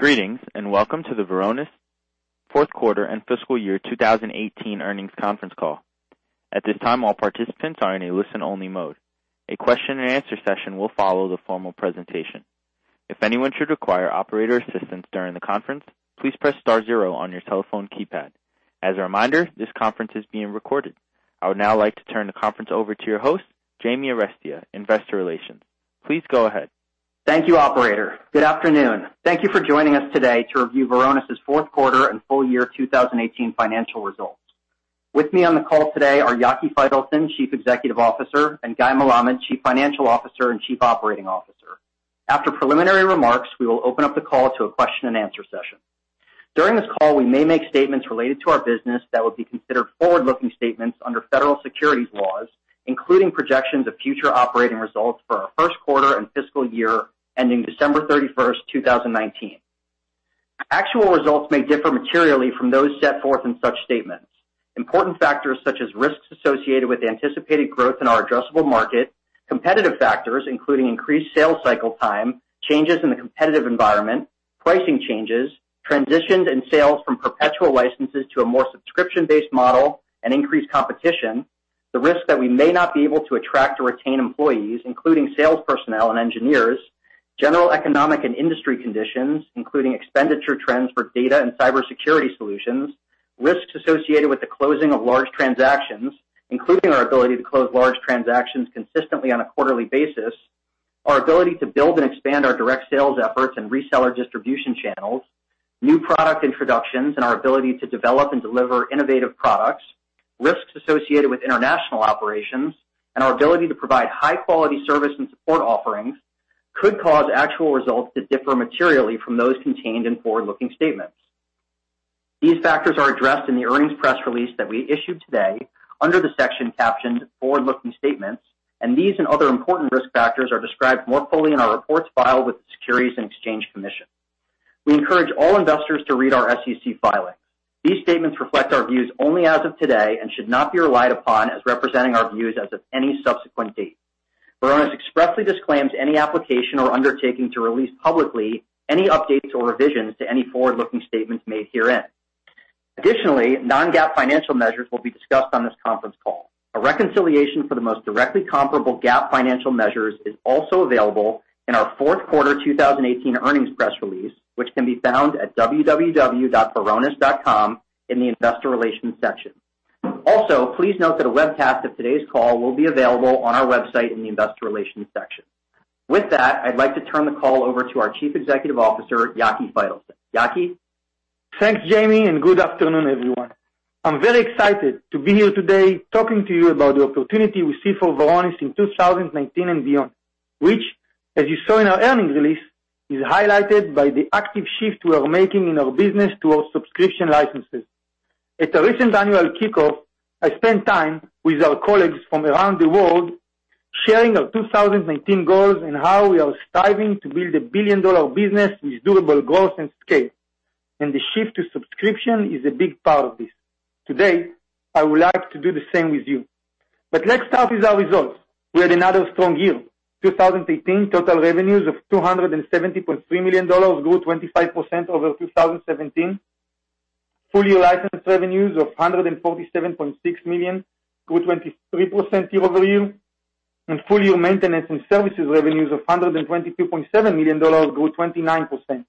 Greetings, welcome to the Varonis Q4 and fiscal year 2018 earnings conference call. At this time, all participants are in a listen-only mode. A question-and-answer session will follow the formal presentation. If anyone should require operator assistance during the conference, please press star zero on your telephone keypad. As a reminder, this conference is being recorded. I would now like to turn the conference over to your host, James Arestia, Investor Relations. Please go ahead. Thank you, operator. Good afternoon. Thank you for joining us today to review Varonis' Q4 and full-year 2018 financial results. With me on the call today are Yaki Faitelson, Chief Executive Officer, and Guy Melamed, Chief Financial Officer and Chief Operating Officer. After preliminary remarks, we will open up the call to a question-and-answer session. During this call, we may make statements related to our business that would be considered forward-looking statements under federal securities laws, including projections of future operating results for our Q1 and fiscal year ending December 31st, 2019. Actual results may differ materially from those set forth in such statements. Important factors such as risks associated with the anticipated growth in our addressable market, competitive factors, including increased sales cycle time, changes in the competitive environment, pricing changes, transitions in sales from perpetual licenses to a more subscription-based model and increased competition, the risk that we may not be able to attract or retain employees, including sales personnel and engineers, general economic and industry conditions, including expenditure trends for data and cybersecurity solutions, risks associated with the closing of large transactions, including our ability to close large transactions consistently on a quarterly basis, our ability to build and expand our direct sales efforts and reseller distribution channels, new product introductions, and our ability to develop and deliver innovative products, risks associated with international operations, and our ability to provide high-quality service and support offerings could cause actual results to differ materially from those contained in forward-looking statements. These factors are addressed in the earnings press release that we issued today under the section captioned Forward-Looking Statements, these and other important risk factors are described more fully in our reports filed with the Securities and Exchange Commission. We encourage all investors to read our SEC filings. These statements reflect our views only as of today and should not be relied upon as representing our views as of any subsequent date. Varonis expressly disclaims any application or undertaking to release publicly any updates or revisions to any forward-looking statements made herein. Additionally, non-GAAP financial measures will be discussed on this conference call. A reconciliation for the most directly comparable GAAP financial measures is also available in our Q4 2018 earnings press release, which can be found at www.varonis.com in the Investor Relations section. Please note that a webcast of today's call will be available on our website in the Investor Relations section. With that, I'd like to turn the call over to our Chief Executive Officer, Yaki Faitelson. Yaki? Thanks, James, good afternoon, everyone. I'm very excited to be here today talking to you about the opportunity we see for Varonis in 2019 and beyond, which, as you saw in our earnings release, is highlighted by the active shift we are making in our business towards subscription licenses. At a recent annual kickoff, I spent time with our colleagues from around the world sharing our 2019 goals and how we are striving to build a billion-dollar business with durable growth and scale, the shift to subscription is a big part of this. Today, I would like to do the same with you. Let's start with our results. We had another strong year. 2018, total revenues of $270.3 million, grew 25% over 2017. Full-year licensed revenues of $147.6 million, grew 23% year-over-year. Full-year maintenance and services revenues of $122.7 million, grew 29%.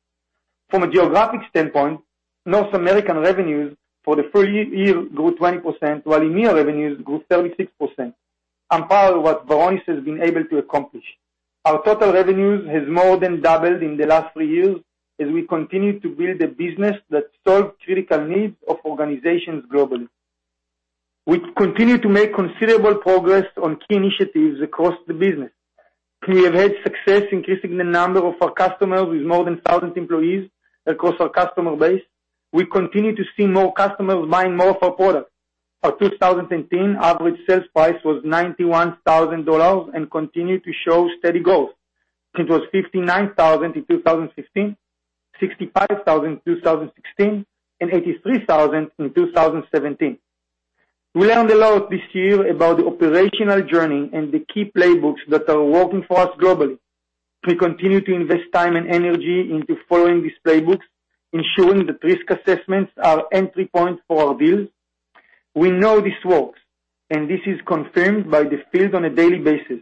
From a geographic standpoint, North American revenues for the full year grew 20%, while EMEA revenues grew 36%, unparalleled what Varonis has been able to accomplish. Our total revenues has more than doubled in the last three years as we continue to build a business that solves critical needs of organizations globally. We've continued to make considerable progress on key initiatives across the business. We have had success increasing the number of our customers with more than 1,000 employees across our customer base. We continue to see more customers buying more of our products. Our 2018 average sales price was $91,000 and continued to show steady growth. It was $59,000 in 2015, $65,000 in 2016, and $83,000 in 2017. We learned a lot this year about the operational journey and the key playbooks that are working for us globally. We continue to invest time and energy into following these playbooks, ensuring that risk assessments are entry points for our deals. We know this works, this is confirmed by the field on a daily basis.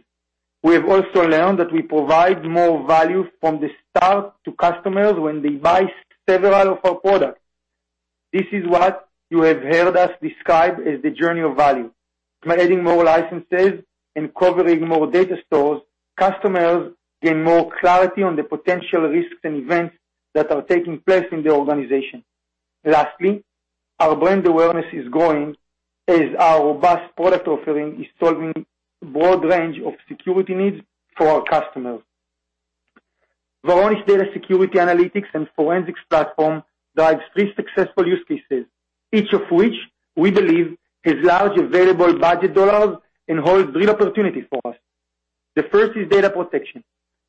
We have also learned that we provide more value from the start to customers when they buy several of our products. This is what you have heard us describe as the journey of value. By adding more licenses and covering more data stores, customers gain more clarity on the potential risks and events that are taking place in the organization. Lastly, our brand awareness is growing as our robust product offering is solving a broad range of security needs for our customers. Varonis' data security analytics and forensics platform drives three successful use cases, each of which we believe has large available budget dollars and holds real opportunities for us. The first is data protection.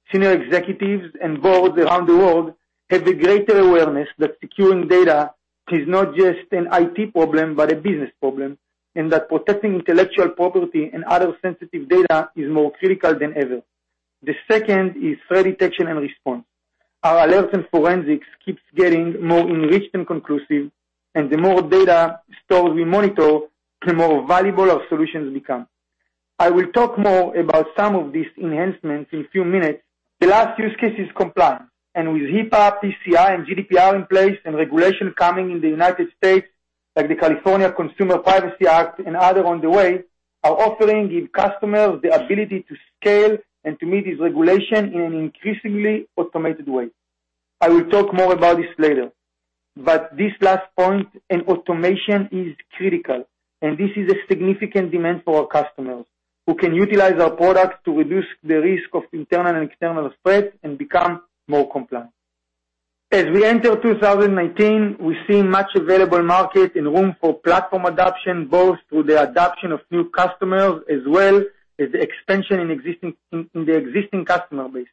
Senior executives and boards around the world have a greater awareness that securing data. It is not just an IT problem, but a business problem, and that protecting intellectual property and other sensitive data is more critical than ever. The second is threat detection and response. Our alerts and forensics keep getting more enriched and conclusive, and the more data stores we monitor, the more valuable our solutions become. I will talk more about some of these enhancements in a few minutes. The last use case is compliance, and with HIPAA, PCI, and GDPR in place, and regulation coming in the U.S., like the California Consumer Privacy Act and other on the way, are offering customers the ability to scale and to meet this regulation in an increasingly automated way. I will talk more about this later. This last point, and automation is critical, and this is a significant demand for our customers who can utilize our products to reduce the risk of internal and external threats and become more compliant. As we enter 2019, we see much available market and room for platform adoption, both through the adoption of new customers as well as the expansion in the existing customer base.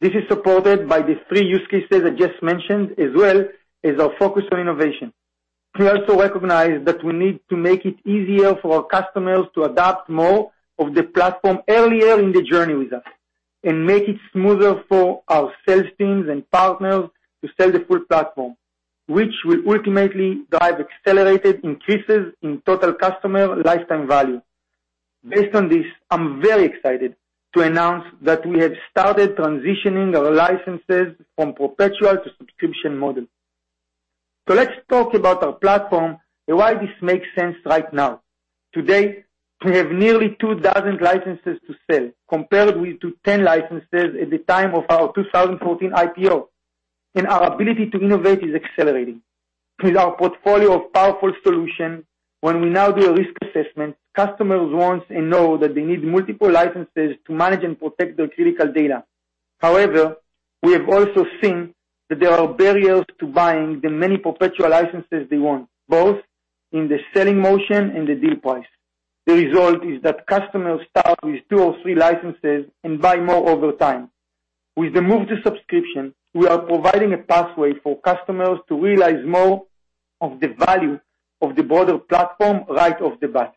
This is supported by the three use cases I just mentioned, as well as our focus on innovation. We also recognize that we need to make it easier for our customers to adopt more of the platform earlier in the journey with us, and make it smoother for our sales teams and partners to sell the full platform, which will ultimately drive accelerated increases in total customer lifetime value. Based on this, I am very excited to announce that we have started transitioning our licenses from perpetual to subscription model. Let us talk about our platform and why this makes sense right now. Today, we have nearly 2,000 licenses to sell, compared with 10 licenses at the time of our 2014 IPO, and our ability to innovate is accelerating. With our portfolio of powerful solutions, when we now do a risk assessment, customers want and know that they need multiple licenses to manage and protect their critical data. However, we have also seen that there are barriers to buying the many perpetual licenses they want, both in the selling motion and the deal price. The result is that customers start with two or three licenses and buy more over time. With the move to subscription, we are providing a pathway for customers to realize more of the value of the broader platform right off the bat.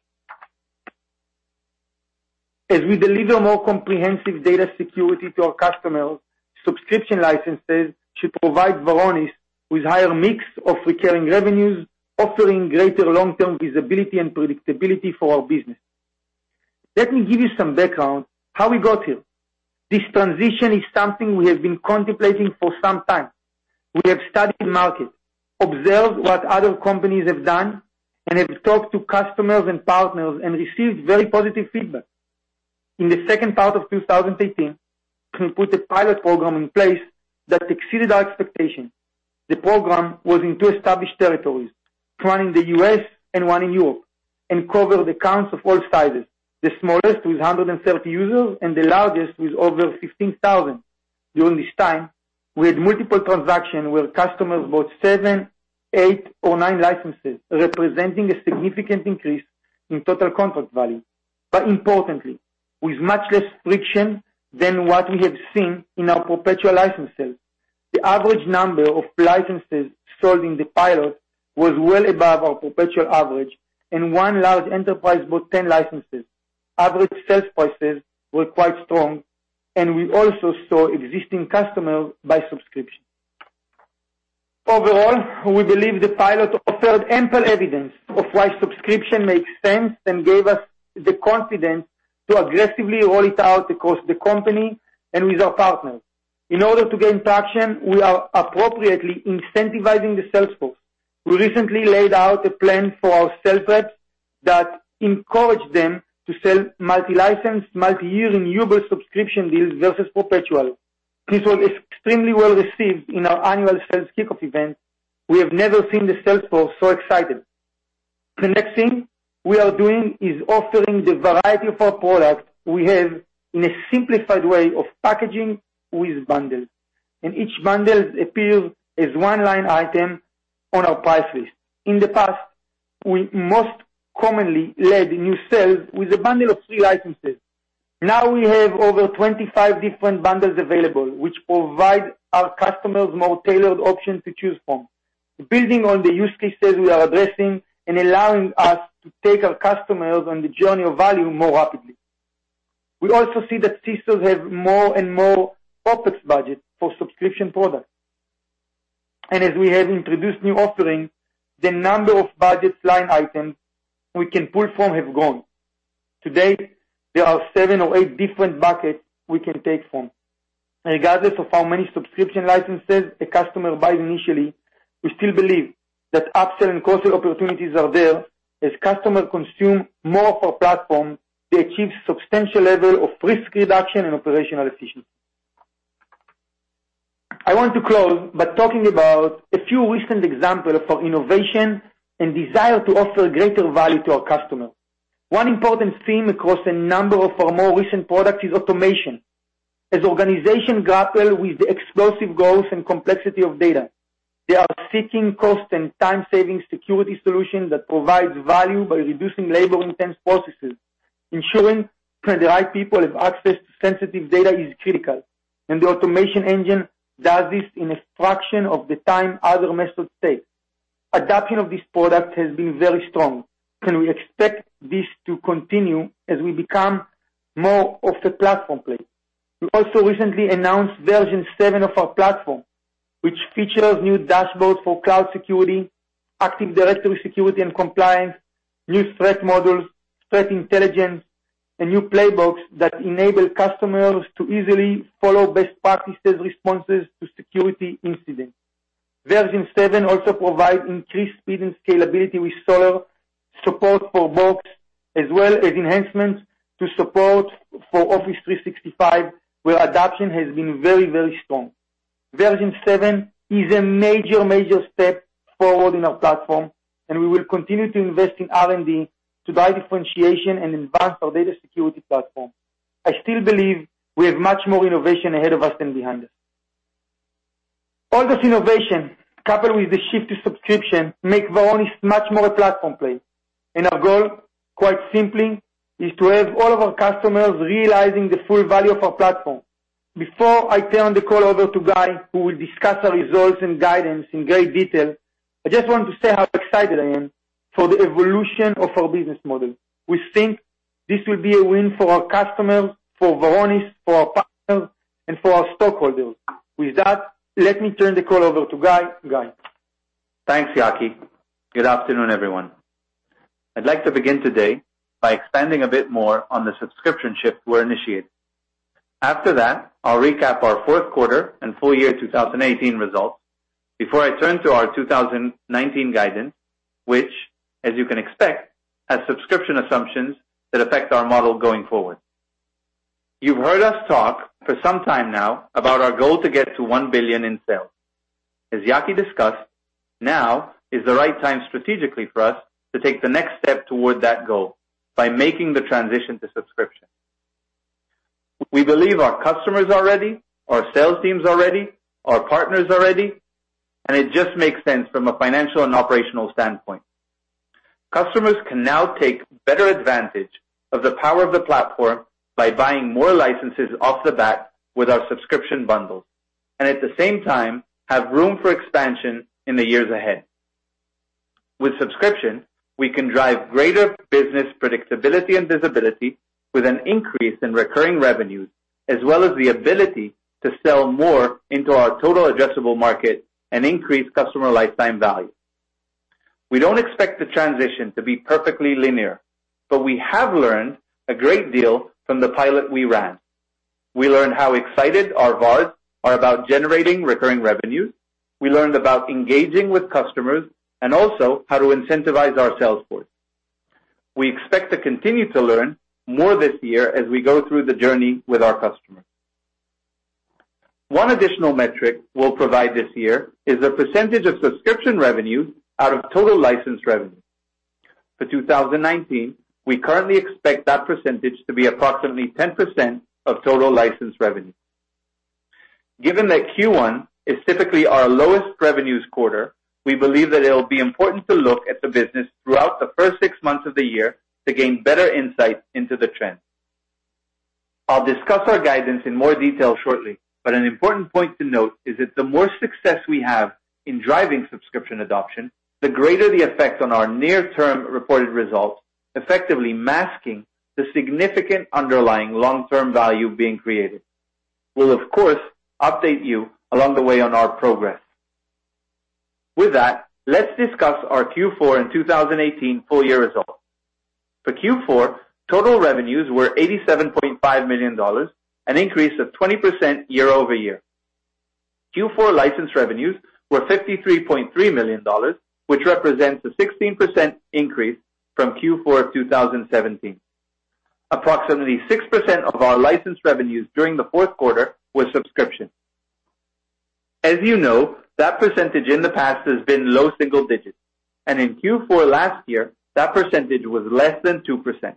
As we deliver more comprehensive data security to our customers, subscription licenses should provide Varonis with higher mix of recurring revenues, offering greater long-term visibility and predictability for our business. Let me give you some background how we got here. This transition is something we have been contemplating for some time. We have studied the market, observed what other companies have done, and have talked to customers and partners and received very positive feedback. In the second part of 2018, we put a pilot program in place that exceeded our expectations. The program was in two established territories, one in the U.S. and one in Europe, and covered accounts of all sizes, the smallest with 130 users and the largest with over 15,000. During this time, we had multiple transactions where customers bought seven, eight, or nine licenses, representing a significant increase in total contract value, importantly, with much less friction than what we have seen in our perpetual licenses. The average number of licenses sold in the pilot was well above our perpetual average, and one large enterprise bought 10 licenses. Average sales prices were quite strong, and we also saw existing customers buy subscriptions. Overall, we believe the pilot offered ample evidence of why subscription makes sense and gave us the confidence to aggressively roll it out across the company and with our partners. In order to gain traction, we are appropriately incentivizing the sales force. We recently laid out a plan for our sales reps that encouraged them to sell multi-license, multi-year renewable subscription deals versus perpetual. This was extremely well-received in our annual sales kickoff event. We have never seen the sales force so excited. The next thing we are doing is offering the variety of our products we have in a simplified way of packaging with bundles, each bundle appears as one line item on our price list. In the past, we most commonly led new sales with a bundle of three licenses. Now we have over 25 different bundles available, which provide our customers more tailored options to choose from, building on the use cases we are addressing and allowing us to take our customers on the journey of value more rapidly. We also see that CSOs have more and more OpEx budget for subscription products. As we have introduced new offerings, the number of budget line items we can pull from have grown. Today, there are seven or eight different buckets we can take from. Regardless of how many subscription licenses a customer buys initially, we still believe that upsell and cross-sell opportunities are there. As customers consume more of our platform, they achieve substantial level of risk reduction and operational efficiency. I want to close by talking about a few recent examples of our innovation and desire to offer greater value to our customers. One important theme across a number of our more recent products is automation. As organizations grapple with the explosive growth and complexity of data, they are seeking cost and time-saving security solutions that provide value by reducing labor-intensive processes. Ensuring the right people have access to sensitive data is critical, and the automation engine does this in a fraction of the time other methods take. Adoption of this product has been very strong, and we expect this to continue as we become more of the platform play. We also recently announced version seven of our platform, which features new dashboards for cloud security, Active Directory security and compliance, new threat models, threat intelligence, new playbooks that enable customers to easily follow best practices, responses to security incidents. Version seven also provides increased speed and scalability with Solr, support for Vault, as well as enhancements to support for Office 365, where adoption has been very, very strong. Version seven is a major step forward in our platform, we will continue to invest in R&D to drive differentiation and advance our data security platform. I still believe we have much more innovation ahead of us than behind us. All this innovation, coupled with the shift to subscription, make Varonis much more a platform play. Our goal, quite simply, is to have all of our customers realizing the full value of our platform. Before I turn the call over to Guy Melamed, who will discuss our results and guidance in great detail, I just want to say how excited I am for the evolution of our business model. We think this will be a win for our customers, for Varonis, for our partners, and for our stockholders. With that, let me turn the call over to Guy. Guy? Thanks, Yaki. Good afternoon, everyone. I'd like to begin today by expanding a bit more on the subscription shift we're initiating. After that, I'll recap our Q4 and full-year 2018 results before I turn to our 2019 guidance, which, as you can expect, has subscription assumptions that affect our model going forward. You've heard us talk for some time now about our goal to get to $1 billion in sales. As Yaki discussed, now is the right time strategically for us to take the next step toward that goal by making the transition to subscription. We believe our customers are ready, our sales teams are ready, our partners are ready, it just makes sense from a financial and operational standpoint. Customers can now take better advantage of the power of the platform by buying more licenses off the bat with our subscription bundles, and at the same time, have room for expansion in the years ahead. With subscription, we can drive greater business predictability and visibility with an increase in recurring revenues, as well as the ability to sell more into our total addressable market and increase customer lifetime value. We don't expect the transition to be perfectly linear, but we have learned a great deal from the pilot we ran. We learned how excited our VARs are about generating recurring revenues. We learned about engaging with customers, and also how to incentivize our sales force. We expect to continue to learn more this year as we go through the journey with our customers. One additional metric we'll provide this year is a percentage of subscription revenue out of total licensed revenue. For 2019, we currently expect that percentage to be approximately 10% of total licensed revenue. Given that Q1 is typically our lowest revenues quarter, we believe that it'll be important to look at the business throughout the first six months of the year to gain better insight into the trend. I'll discuss our guidance in more detail shortly, but an important point to note is that the more success we have in driving subscription adoption, the greater the effect on our near-term reported results, effectively masking the significant underlying long-term value being created. We'll, of course, update you along the way on our progress. With that, let's discuss our Q4 and 2018 full year results. For Q4, total revenues were $87.5 million, an increase of 20% year-over-year. Q4 license revenues were $53.3 million, which represents a 16% increase from Q4 of 2017. Approximately 6% of our license revenues during the Q4 were subscription. As you know, that percentage in the past has been low single digits, and in Q4 last year, that percentage was less than 2%.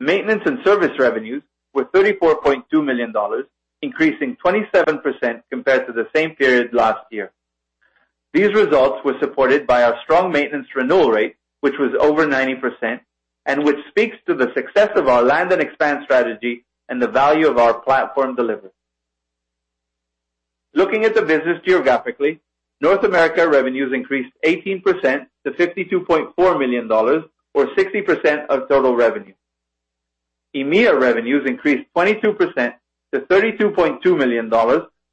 Maintenance and service revenues were $34.2 million, increasing 27% compared to the same period last year. These results were supported by our strong maintenance renewal rate, which was over 90%, and which speaks to the success of our land and expand strategy and the value of our platform delivery. Looking at the business geographically, North America revenues increased 18% to $52.4 million, or 60% of total revenue. EMEA revenues increased 22% to $32.2 million,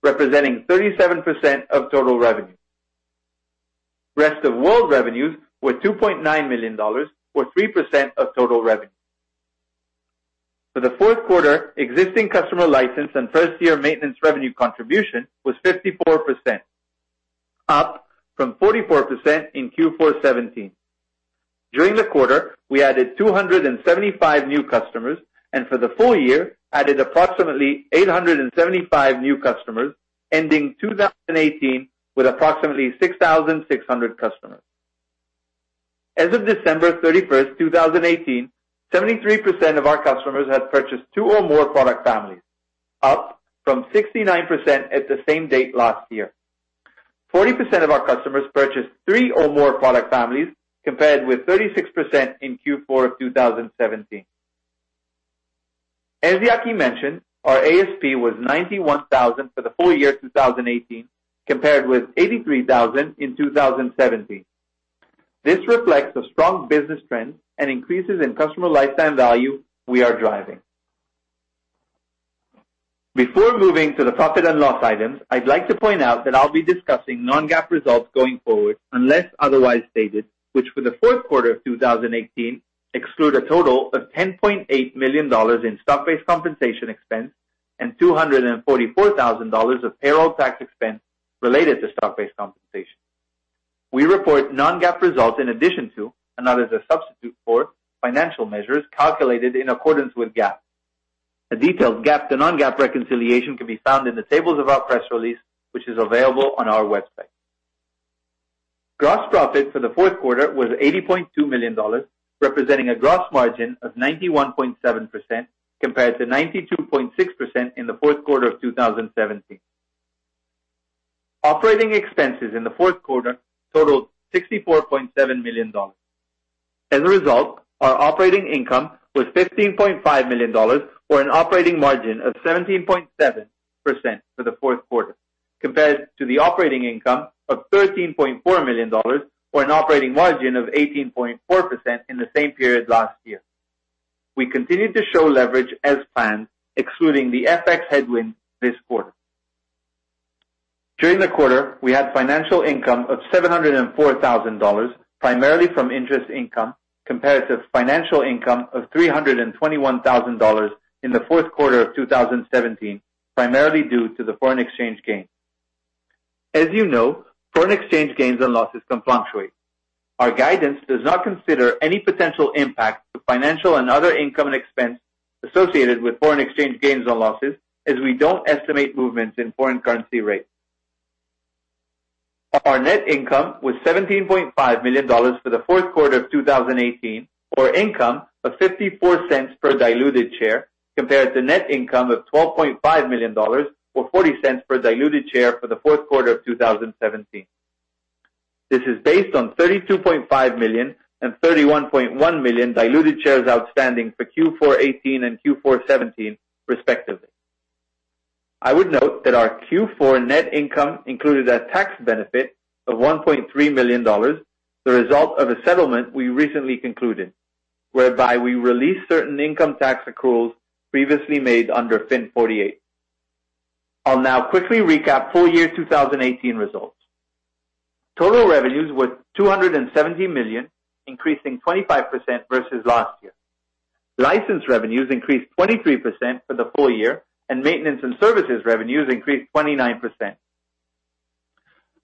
representing 37% of total revenue. Rest of world revenues were $2.9 million or 3% of total revenue. For the Q4, existing customer license and first-year maintenance revenue contribution was 54%, up from 44% in Q4 2017. During the quarter, we added 275 new customers, and for the full year, added approximately 875 new customers, ending 2018 with approximately 6,600 customers. As of December 31st, 2018, 73% of our customers had purchased two or more product families, up from 69% at the same date last year. 40% of our customers purchased three or more product families, compared with 36% in Q4 of 2017. As Yaki mentioned, our ASP was $91,000 for the full-year 2018, compared with $83,000 in 2017. This reflects a strong business trend and increases in customer lifetime value we are driving. Before moving to the profit and loss items, I'd like to point out that I'll be discussing non-GAAP results going forward, unless otherwise stated, which for the Q4 of 2018 exclude a total of $10.8 million in stock-based compensation expense and $244,000 of payroll tax expense related to stock-based compensation. We report non-GAAP results in addition to, and not as a substitute for, financial measures calculated in accordance with GAAP. A detailed GAAP to non-GAAP reconciliation can be found in the tables of our press release, which is available on our website. Gross profit for the Q4 was $80.2 million, representing a gross margin of 91.7%, compared to 92.6% in the Q4 of 2017. Operating expenses in the Q4 totaled $64.7 million. As a result, our operating income was $15.5 million, or an operating margin of 17.7% for the Q4, compared to the operating income of $13.4 million, or an operating margin of 18.4% in the same period last year. We continued to show leverage as planned, excluding the FX headwind this quarter. During the quarter, we had financial income of $704,000, primarily from interest income, compared to financial income of $321,000 in the Q4 of 2017, primarily due to the foreign exchange gain. As you know, foreign exchange gains and losses can fluctuate. Our guidance does not consider any potential impact to financial and other income and expense associated with foreign exchange gains or losses, as we don't estimate movements in foreign currency rates. Our net income was $17.5 million for the Q4 of 2018, or income of $0.54 per diluted share, compared to net income of $12.5 million or $0.40 per diluted share for the Q4 of 2017. This is based on 32.5 million and 31.1 million diluted shares outstanding for Q4 2018 and Q4 2017, respectively. I would note that our Q4 net income included a tax benefit of $1.3 million, the result of a settlement we recently concluded, whereby we released certain income tax accruals previously made under FIN 48. I'll now quickly recap full year 2018 results. Total revenues was $270 million, increasing 25% versus last year. License revenues increased 23% for the full year, and maintenance and services revenues increased 29%.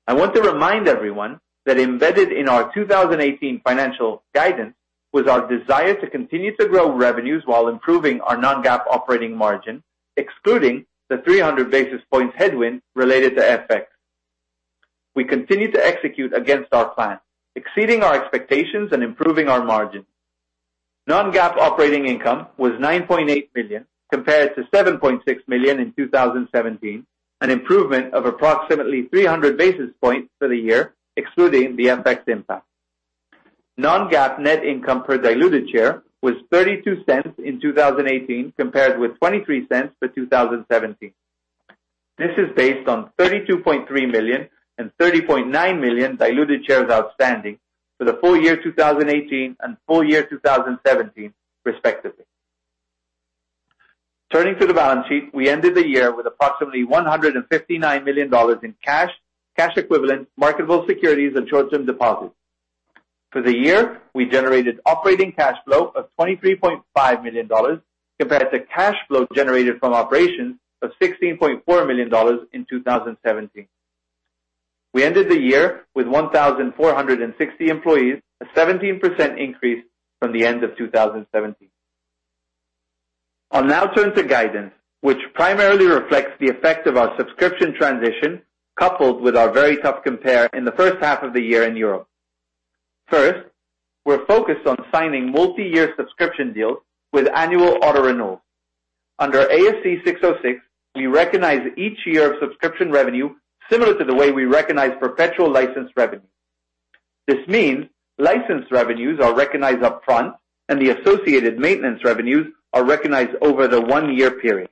I want to remind everyone that embedded in our 2018 financial guidance was our desire to continue to grow revenues while improving our non-GAAP operating margin, excluding the 300 basis points headwind related to FX. We continued to execute against our plan, exceeding our expectations and improving our margin. Non-GAAP operating income was $9.8 million, compared to $7.6 million in 2017, an improvement of approximately 300 basis points for the year, excluding the FX impact. Non-GAAP net income per diluted share was $0.32 in 2018, compared with $0.23 for 2017. This is based on 32.3 million and 30.9 million diluted shares outstanding for the full-year 2018 and full-year 2017, respectively. Turning to the balance sheet, we ended the year with approximately $159 million in cash equivalent marketable securities and short-term deposits. For the year, we generated operating cash flow of $23.5 million, compared to cash flow generated from operations of $16.4 million in 2017. We ended the year with 1,460 employees, a 17% increase from the end of 2017. I'll now turn to guidance, which primarily reflects the effect of our subscription transition, coupled with our very tough compare in the H1 of the year in Europe. First, we're focused on signing multi-year subscription deals with annual auto-renewal. Under ASC 606, we recognize each year of subscription revenue similar to the way we recognize perpetual license revenue. This means license revenues are recognized upfront and the associated maintenance revenues are recognized over the one-year period.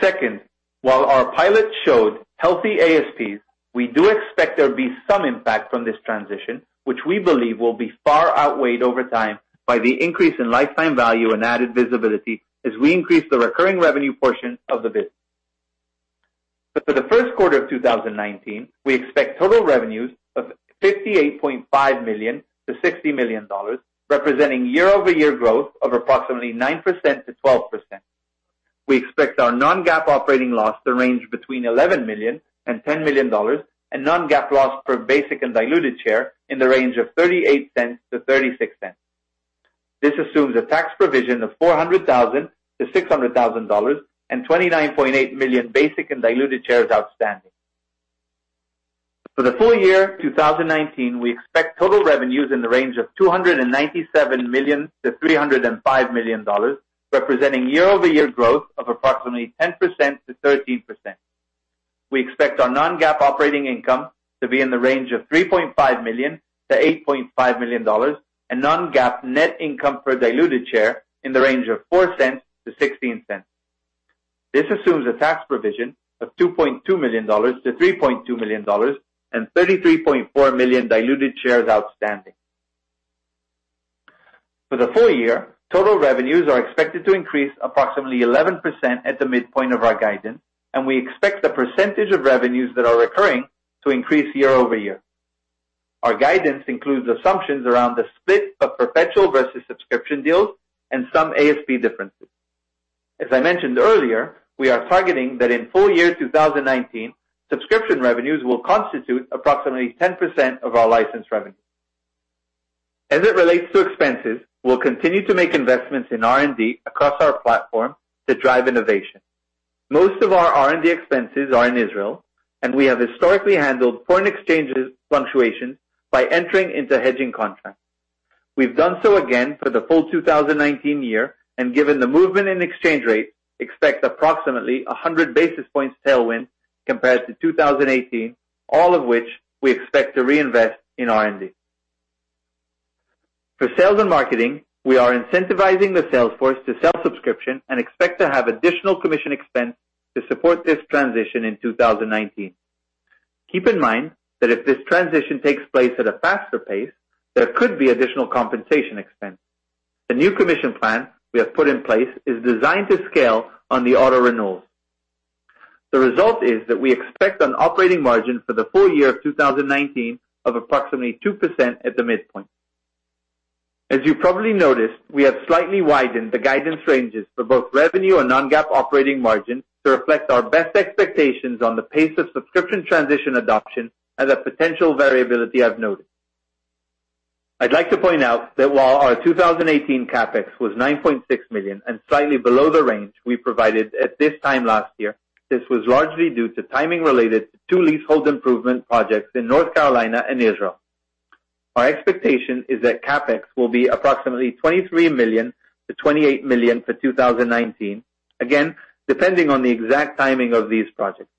Second, while our pilot showed healthy ASPs, we do expect there'll be some impact from this transition, which we believe will be far outweighed over time by the increase in lifetime value and added visibility as we increase the recurring revenue portion of the business. For the Q1 of 2019, we expect total revenues of $58.5 million-$60 million, representing year-over-year growth of approximately 9%-12%. We expect our non-GAAP operating loss to range between $11 million and $10 million, and non-GAAP loss per basic and diluted share in the range of $0.38-$0.36. This assumes a tax provision of $400,000-$600,000 and 29.8 million basic and diluted shares outstanding. For the full-year 2019, we expect total revenues in the range of $297 million-$305 million, representing year-over-year growth of approximately 10%-13%. We expect our non-GAAP operating income to be in the range of $3.5 million-$8.5 million, and non-GAAP net income per diluted share in the range of $0.04-$0.16. This assumes a tax provision of $2.2 million-$3.2 million and 33.4 million diluted shares outstanding. For the full year, total revenues are expected to increase approximately 11% at the midpoint of our guidance, and we expect the percentage of revenues that are recurring to increase year-over-year. Our guidance includes assumptions around the split of perpetual versus subscription deals and some ASP differences. As I mentioned earlier, we are targeting that in full year 2019, subscription revenues will constitute approximately 10% of our licensed revenue. As it relates to expenses, we'll continue to make investments in R&D across our platform to drive innovation. Most of our R&D expenses are in Israel, and we have historically handled foreign exchange fluctuations by entering into hedging contracts. We've done so again for the full 2019 year, and given the movement in exchange rate, expect approximately 100 basis points tailwind compared to 2018, all of which we expect to reinvest in R&D. For sales and marketing, we are incentivizing the sales force to sell subscription and expect to have additional commission expense to support this transition in 2019. Keep in mind that if this transition takes place at a faster pace, there could be additional compensation expense. The new commission plan we have put in place is designed to scale on the auto renewals. The result is that we expect an operating margin for the full year of 2019 of approximately 2% at the midpoint. As you probably noticed, we have slightly widened the guidance ranges for both revenue and non-GAAP operating margin to reflect our best expectations on the pace of subscription transition adoption and the potential variability I've noted. I'd like to point out that while our 2018 CapEx was $9.6 million and slightly below the range we provided at this time last year, this was largely due to timing related to two leasehold improvement projects in North Carolina and Israel. Our expectation is that CapEx will be approximately $23 million-$28 million for 2019, again, depending on the exact timing of these projects.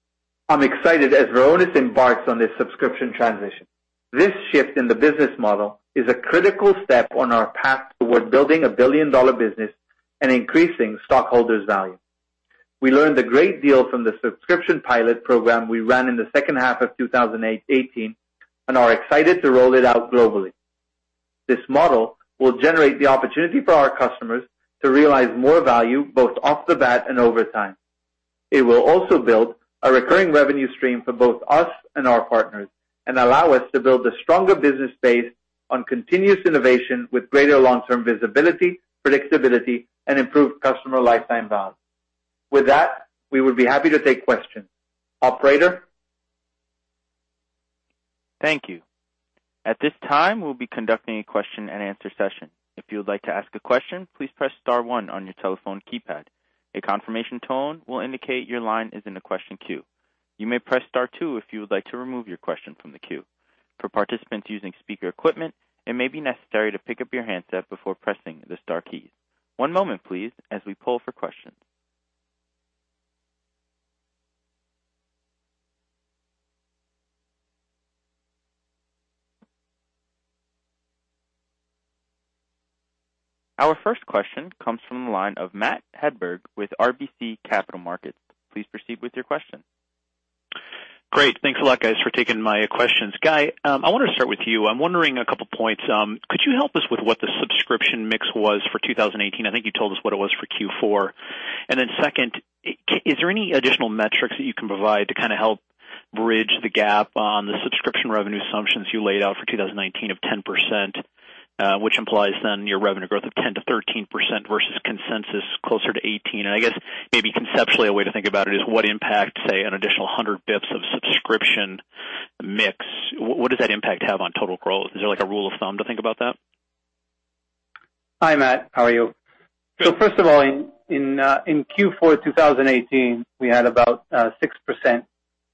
I'm excited as Varonis embarks on this subscription transition. This shift in the business model is a critical step on our path toward building a billion-dollar business and increasing stockholders' value. We learned a great deal from the subscription pilot program we ran in the H2 of 2018 and are excited to roll it out globally. This model will generate the opportunity for our customers to realize more value both off the bat and over time. It will also build a recurring revenue stream for both us and our partners and allow us to build a stronger business base on continuous innovation with greater long-term visibility, predictability, and improved customer lifetime value. With that, we would be happy to take questions. Operator? Thank you. At this time, we'll be conducting a question-and-answer session. If you would like to ask a question, please press star one on your telephone keypad. A confirmation tone will indicate your line is in the question queue. You may press star two if you would like to remove your question from the queue. For participants using speaker equipment, it may be necessary to pick up your handset before pressing the star keys. One moment, please, as we poll for questions. Our first question comes from the line of Matthew Hedberg with RBC Capital Markets. Please proceed with your question. Great. Thanks a lot, guys, for taking my questions. Guy, I want to start with you. I'm wondering a couple points. Could you help us with what the subscription mix was for 2018? I think you told us what it was for Q4. Second, is there any additional metrics that you can provide to kind of help bridge the gap on the subscription revenue assumptions you laid out for 2019 of 10%, which implies your revenue growth of 10%-13% versus consensus closer to 18%? I guess maybe conceptually, a way to think about it is what impact, say, an additional 100 basis points of subscription mix, what does that impact have on total growth? Is there like a rule of thumb to think about that? Hi, Matt. How are you? First of all, in Q4 2018, we had about 6%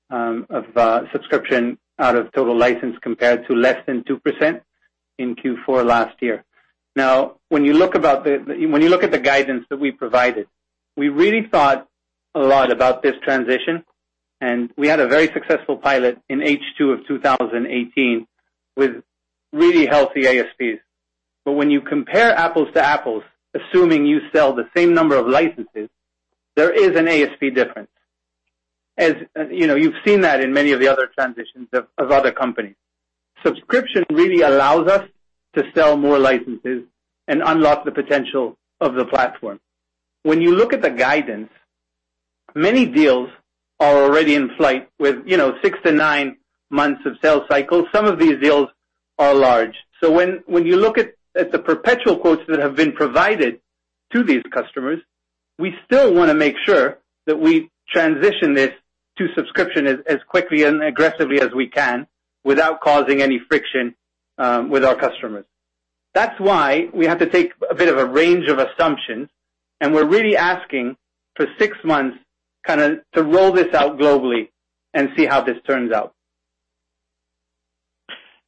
of subscription out of total license compared to less than 2% in Q4 last year. When you look at the guidance that we provided, we really thought a lot about this transition, and we had a very successful pilot in H2 of 2018 with really healthy ASPs. When you compare apples to apples, assuming you sell the same number of licenses, there is an ASP difference. You've seen that in many of the other transitions of other companies. Subscription really allows us to sell more licenses and unlock the potential of the platform. When you look at the guidance, many deals are already in flight with six-nine months of sales cycle. Some of these deals are large. When you look at the perpetual quotes that have been provided to these customers, we still want to make sure that we transition this to subscription as quickly and aggressively as we can without causing any friction with our customers. That's why we have to take a bit of a range of assumptions, and we're really asking for six months kind of to roll this out globally and see how this turns out.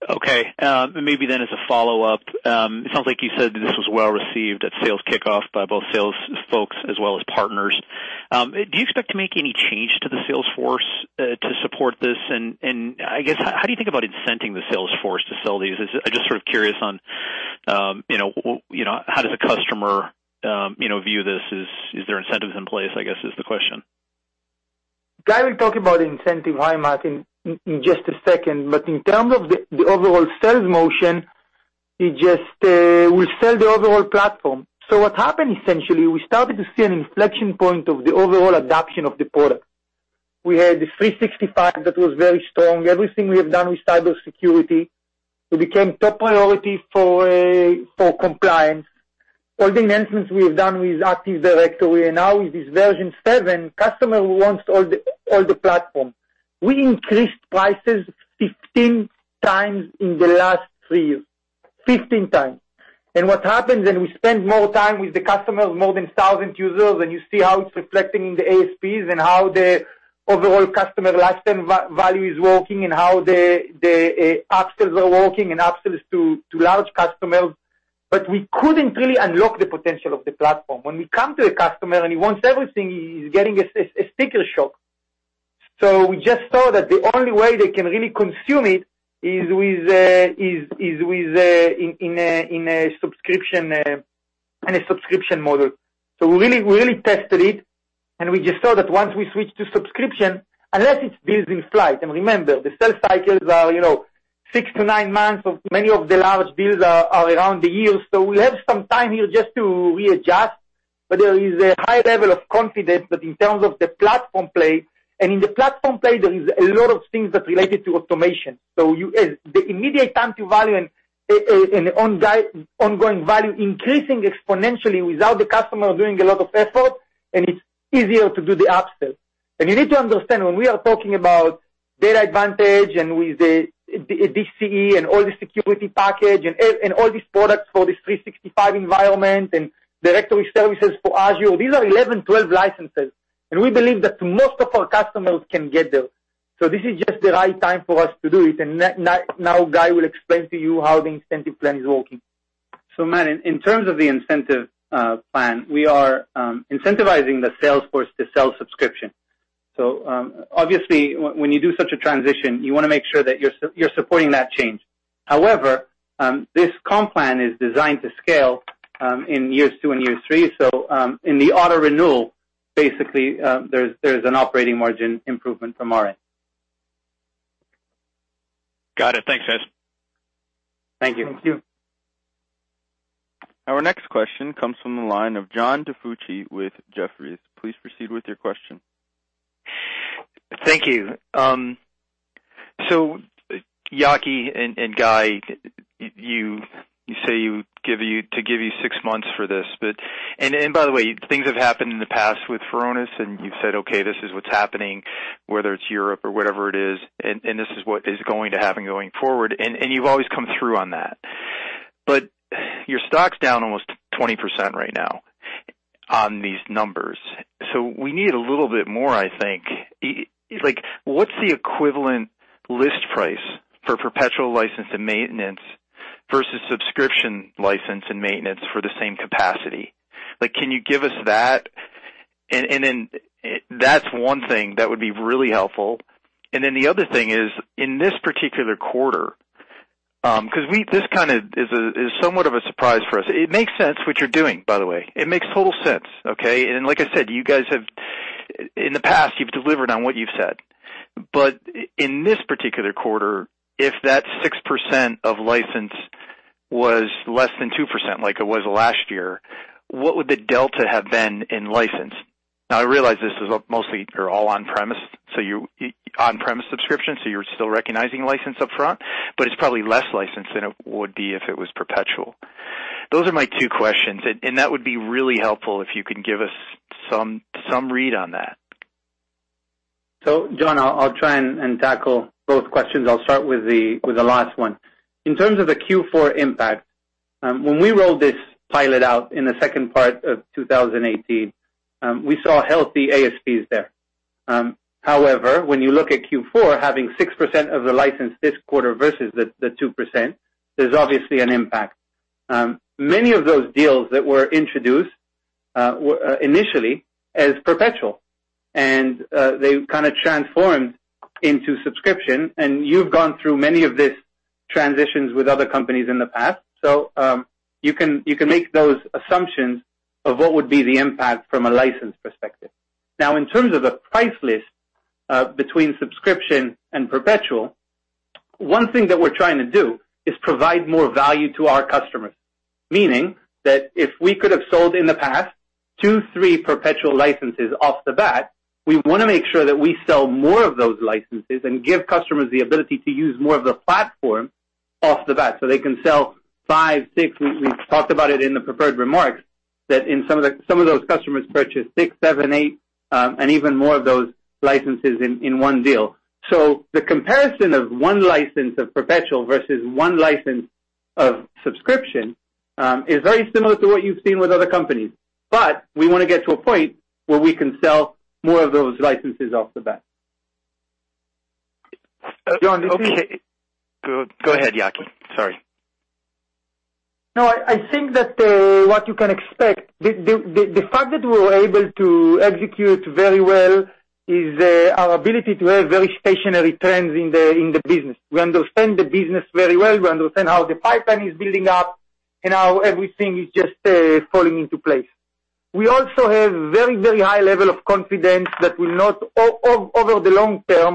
Maybe, as a follow-up, it sounds like you said that this was well received at sales kickoff by both sales folks as well as partners. Do you expect to make any change to the sales force to support this? How do you think about incenting the sales force to sell these? I'm just sort of curious on how does a customer view this? Is there incentives in place, I guess is the question. Guy will talk about the incentive, why, Matt, in just a second. In terms of the overall sales motion, we sell the overall platform. What happened essentially, we started to see an inflection point of the overall adoption of the product. We had the Microsoft 365 that was very strong. Everything we have done with cybersecurity, it became top priority for compliance. All the enhancements we have done with Active Directory, and now with this version seven, customer wants all the platform. We increased prices 15x in the last three years. 15x. What happens, and we spend more time with the customers, more than 1,000 users, and you see how it's reflecting in the ASPs and how the overall customer lifetime value is working and how the upsells are working and upsells to large customers. We couldn't really unlock the potential of the platform. When we come to a customer and he wants everything, he's getting a sticker shock. We just saw that the only way they can really consume it is in a subscription model. We really tested it, and we just saw that once we switch to subscription, unless it's built in flight, and remember, the sales cycles are six-nine months of many of the large deals are around a year. We have some time here just to readjust, but there is a high level of confidence that in terms of the platform play, and in the platform play, there is a lot of things that related to automation. The immediate time to value and ongoing value increasing exponentially without the customer doing a lot of effort, and it's easier to do the upsell. You need to understand when we are talking about DatAdvantage and with the DCE and all the security package and all these products for this Microsoft 365 environment and directory services for Azure, these are 11, 12 licenses. We believe that most of our customers can get there. This is just the right time for us to do it, and now Guy will explain to you how the incentive plan is working. Matt, in terms of the incentive plan, we are incentivizing the sales force to sell subscription. Obviously when you do such a transition, you want to make sure that you're supporting that change. However, this comp plan is designed to scale in years two and years three. In the auto renewal, basically, there's an operating margin improvement from our end. Got it. Thanks, guys. Thank you. Thank you. Our next question comes from the line of John DiFucci with Jefferies. Please proceed with your question. Thank you. Yaki and Guy, you say to give you six months for this. By the way, things have happened in the past with Varonis, and you've said, okay, this is what's happening, whether it's Europe or whatever it is, and this is what is going to happen going forward, and you've always come through on that. Your stock's down almost 20% right now on these numbers. We need a little bit more, I think. What's the equivalent list price for perpetual license and maintenance versus subscription license and maintenance for the same capacity? Can you give us that? That's one thing that would be really helpful, the other thing is, in this particular quarter, because this kind of is somewhat of a surprise for us. It makes sense what you're doing, by the way. It makes total sense, okay? Like I said, you guys have, in the past, you've delivered on what you've said. In this particular quarter, if that 6% of license was less than 2% like it was last year, what would the delta have been in license? I realize this is mostly you're all on-premise, so on-premise subscription, so you're still recognizing license upfront, but it's probably less license than it would be if it was perpetual. Those are my two questions, and that would be really helpful if you could give us some read on that. John, I'll try and tackle both questions. I'll start with the last one. In terms of the Q4 impact, when we rolled this pilot out in the second part of 2018, we saw healthy ASPs there. However, when you look at Q4, having 6% of the license this quarter versus the 2%, there's obviously an impact. Many of those deals that were introduced initially as perpetual, and they kind of transformed into subscription, and you've gone through many of these transitions with other companies in the past. You can make those assumptions of what would be the impact from a license perspective. In terms of the price list between subscription and perpetual, one thing that we're trying to do is provide more value to our customers. Meaning that if we could have sold in the past two, three perpetual licenses off the bat, we want to make sure that we sell more of those licenses and give customers the ability to use more of the platform off the bat. They can sell five, six. We've talked about it in the prepared remarks that some of those customers purchase six, seven, eight, and even more of those licenses in one deal. The comparison of one license of perpetual versus one license of subscription is very similar to what you've seen with other companies. We want to get to a point where we can sell more of those licenses off the bat. John, did you Okay. Go ahead, Yaki. Sorry. I think that what you can expect, the fact that we were able to execute very well is our ability to have very stationary trends in the business. We understand the business very well. We understand how the pipeline is building up and how everything is just falling into place. We also have very high level of confidence that over the long-term,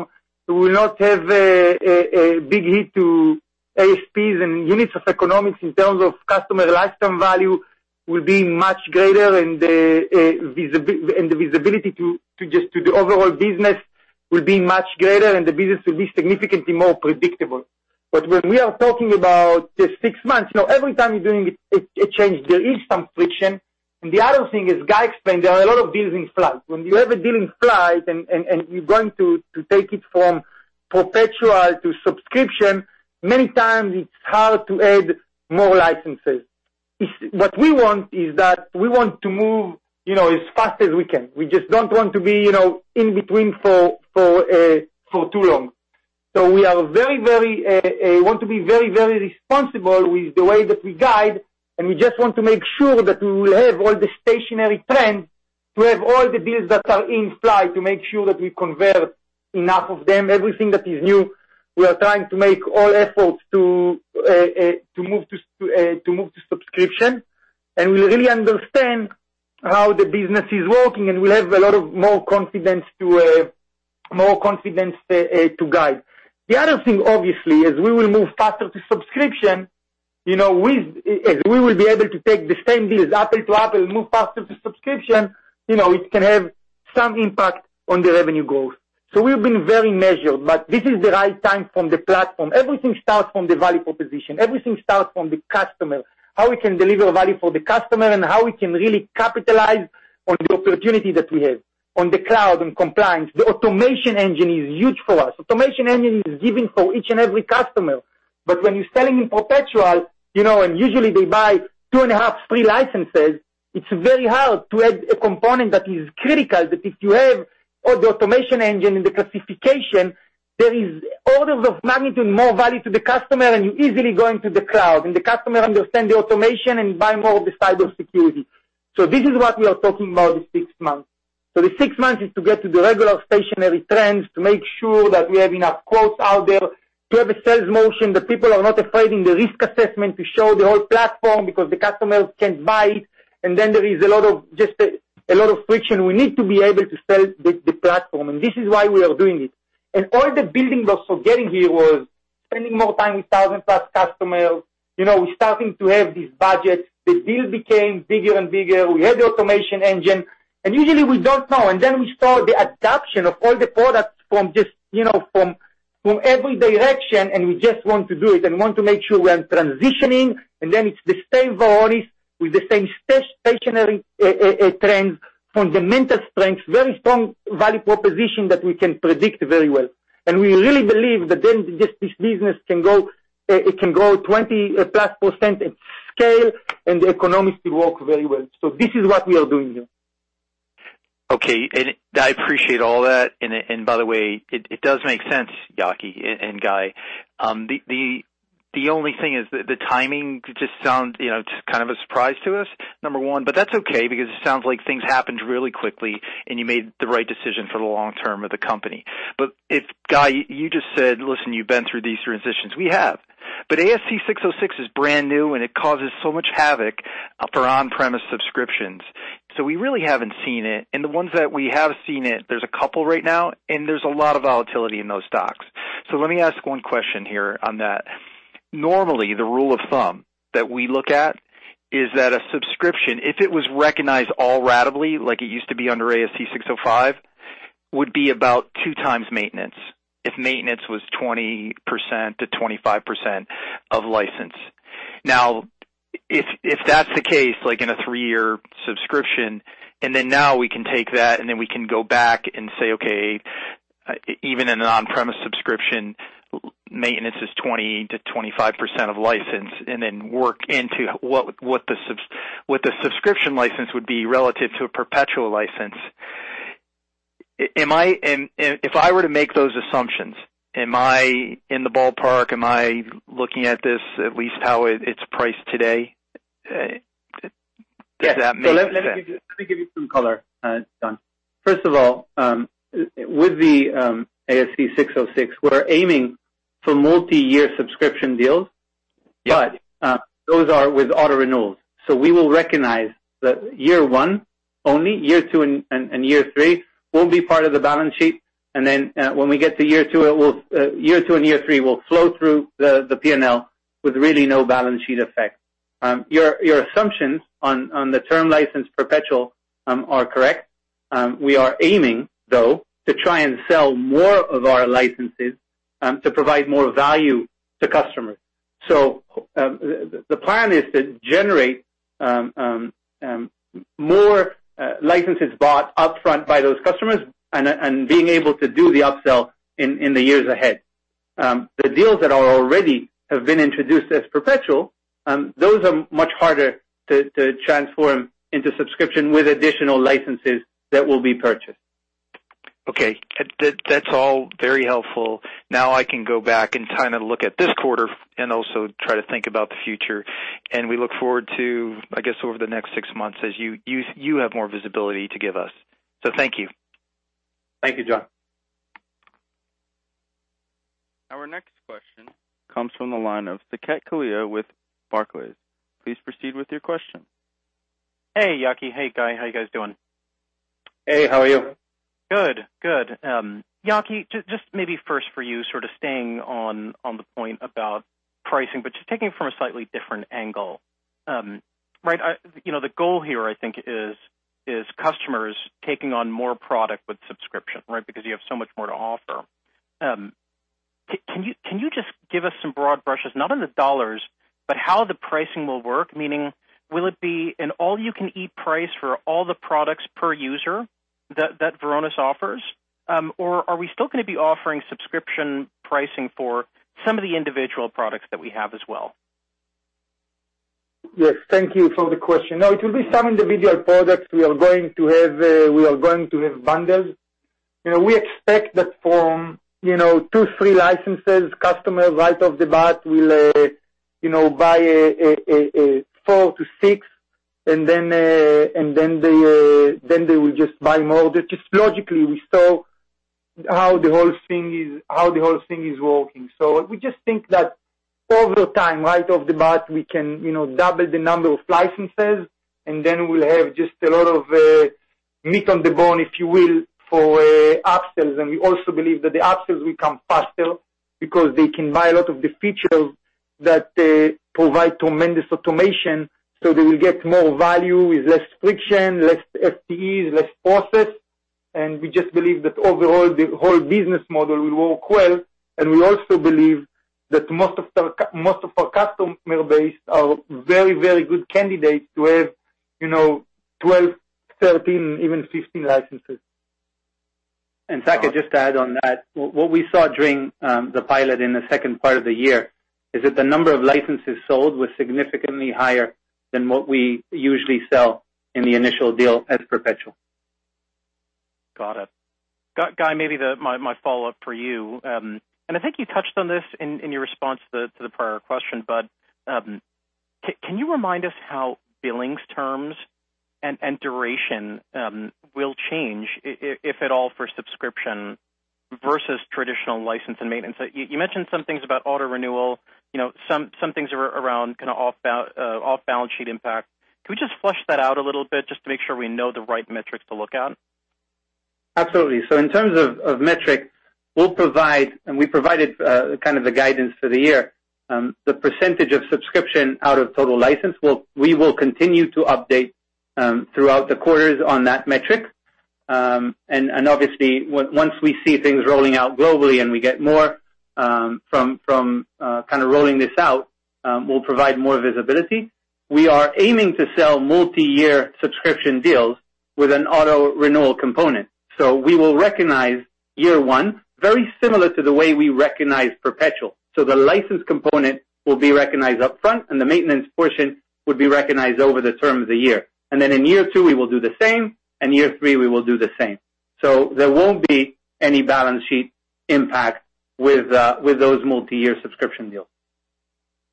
we will not have a big hit to ASPs and units of economics in terms of customer lifetime value will be much greater and the visibility to just to the overall business will be much greater and the business will be significantly more predictable. When we are talking about the six months, every time you're doing a change, there is some friction. The other thing is, Guy explained, there are a lot of deals in flight. When you have a deal in flight and you're going to take it from perpetual to subscription, many times it's hard to add more licenses. What we want is that we want to move as fast as we can. We just don't want to be in between for too long. We want to be very responsible with the way that we guide, and we just want to make sure that we will have all the stationary trends to have all the deals that are in flight to make sure that we convert enough of them. Everything that is new, we are trying to make all efforts to move to subscription, and we really understand how the business is working, and we'll have a lot of more confidence to guide. The other thing, obviously, is we will move faster to subscription. As we will be able to take the same deals apple to apple and move faster to subscription, it can have some impact on the revenue growth. We've been very measured, but this is the right time from the platform. Everything starts from the value proposition. Everything starts from the customer, how we can deliver value for the customer, and how we can really capitalize on the opportunity that we have on the cloud and compliance. The automation engine is huge for us. Automation engine is giving for each and every customer. But when you're selling in perpetual, and usually they buy two and a half, three licenses, it's very hard to add a component that is critical. That if you have all the automation engine in the classification, there is orders of magnitude more value to the customer, and you easily go into the cloud, and the customer understand the automation and buy more of the cybersecurity. This is what we are talking about this six months. The six months is to get to the regular stationary trends to make sure that we have enough quotes out there to have a sales motion that people are not afraid in the risk assessment to show the whole platform because the customers can't buy it. There is just a lot of friction. We need to be able to sell the platform, and this is why we are doing it. All the building blocks for getting here was spending more time with 1,000+ customers. We're starting to have these budgets. The deal became bigger and bigger. We had the automation engine, usually we don't know. We saw the adoption of all the products from every direction, and we just want to do it and want to make sure we're transitioning, and then it's the same Varonis with the same stationary trends, fundamental strengths, very strong value proposition that we can predict very well. We really believe that then this business, it can grow 20+% in scale, and the economics will work very well. This is what we are doing here. Okay. I appreciate all that. By the way, it does make sense, Yaki and Guy. The only thing is the timing just sound kind of a surprise to us, number one. That's okay because it sounds like things happened really quickly, and you made the right decision for the long-term of the company. Guy, you just said, listen, you've been through these transitions. We have. ASC 606 is brand new, and it causes so much havoc for on-premise subscriptions. We really haven't seen it. The ones that we have seen it, there's a couple right now, and there's a lot of volatility in those stocks. Let me ask one question here on that. Normally, the rule of thumb that we look at is that a subscription, if it was recognized all ratably like it used to be under ASC 605, would be about 2x maintenance, if maintenance was 20%-25% of license. If that's the case, like in a three-year subscription, then now we can take that and then we can go back and say, okay, even in an on-premise subscription, maintenance is 20%-25% of license, and then work into what the subscription license would be relative to a perpetual license. If I were to make those assumptions, am I in the ballpark? Am I looking at this at least how it's priced today? Does that make sense? Let me give you some color, John. First of all, with the ASC 606, we're aiming for multi-year subscription deals. Yeah. Those are with auto renewals. We will recognize that year one only. Year two and year three won't be part of the balance sheet. Then when we get to year two, year two and year three will flow through the P&L with really no balance sheet effect. Your assumptions on the term license perpetual are correct. We are aiming, though, to try and sell more of our licenses to provide more value to customers. The plan is to generate More licenses bought upfront by those customers and being able to do the upsell in the years ahead. The deals that already have been introduced as perpetual, those are much harder to transform into subscription with additional licenses that will be purchased. Okay. That's all very helpful. Now I can go back and look at this quarter and also try to think about the future. We look forward to, I guess, over the next six months, as you have more visibility to give us. Thank you. Thank you, John. Our next question comes from the line of Saket Kalia with Barclays. Please proceed with your question. Hey, Yaki. Hey, Guy. How you guys doing? Hey, how are you? Good. Yaki, just maybe first for you, sort of staying on the point about pricing, just taking it from a slightly different angle. The goal here I think is customers taking on more product with subscription, right? You have so much more to offer. Can you just give us some broad brushes, not in the dollars, but how the pricing will work, meaning, will it be an all-you-can-eat price for all the products per user that Varonis offers? Are we still going to be offering subscription pricing for some of the individual products that we have as well? Yes. Thank you for the question. No, it will be some individual products we are going to have bundles. We expect that from two, three licenses, customers right off the bat will buy four-six, they will just buy more. Just logically, we saw how the whole thing is working. We just think that over time, right off the bat, we can double the number of licenses, then we'll have just a lot of meat on the bone, if you will, for upsells. We also believe that the upsells will come faster because they can buy a lot of the features that provide tremendous automation, they will get more value with less friction, less FTEs, less process. We just believe that overall, the whole business model will work well. We also believe that most of our customer base are very good candidates to have 12, 13, even 15 licenses. Saket, just to add on that, what we saw during the pilot in the second part of the year is that the number of licenses sold was significantly higher than what we usually sell in the initial deal as perpetual. Got it. Guy, maybe my follow-up for you. I think you touched on this in your response to the prior question, but can you remind us how billings terms and duration will change, if at all, for subscription versus traditional license and maintenance? You mentioned some things about auto-renewal, some things around kind of off-balance sheet impact. Can we just flush that out a little bit just to make sure we know the right metrics to look at? Absolutely. In terms of metrics, we'll provide, and we provided kind of the guidance for the year. The percentage of subscription out of total license, we will continue to update throughout the quarters on that metric. Obviously, once we see things rolling out globally and we get more from kind of rolling this out, we'll provide more visibility. We are aiming to sell multi-year subscription deals with an auto-renewal component. We will recognize year one very similar to the way we recognize perpetual. The license component will be recognized upfront, and the maintenance portion would be recognized over the term of the year. Then in year two, we will do the same, and year three, we will do the same. There won't be any balance sheet impact with those multi-year subscription deals.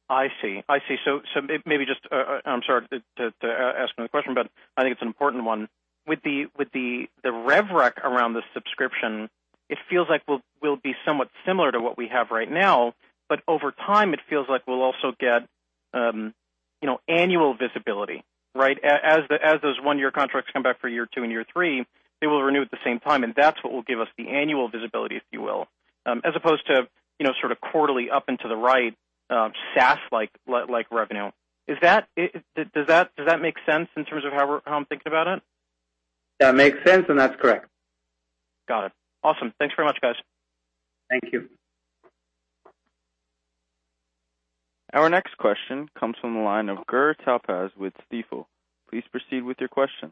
I see. I'm sorry to ask another question, but I think it's an important one. With the rev rec around the subscription, it feels like we'll be somewhat similar to what we have right now, but over time, it feels like we'll also get annual visibility, right? As those one-year contracts come back for year two and year three, they will renew at the same time, and that's what will give us the annual visibility, if you will, as opposed to sort of quarterly up and to the right, SaaS-like revenue. Does that make sense in terms of how I'm thinking about it? That makes sense, and that's correct. Got it. Awesome. Thanks very much, guys. Thank you. Our next question comes from the line of Gur Talpaz with Stifel. Please proceed with your question.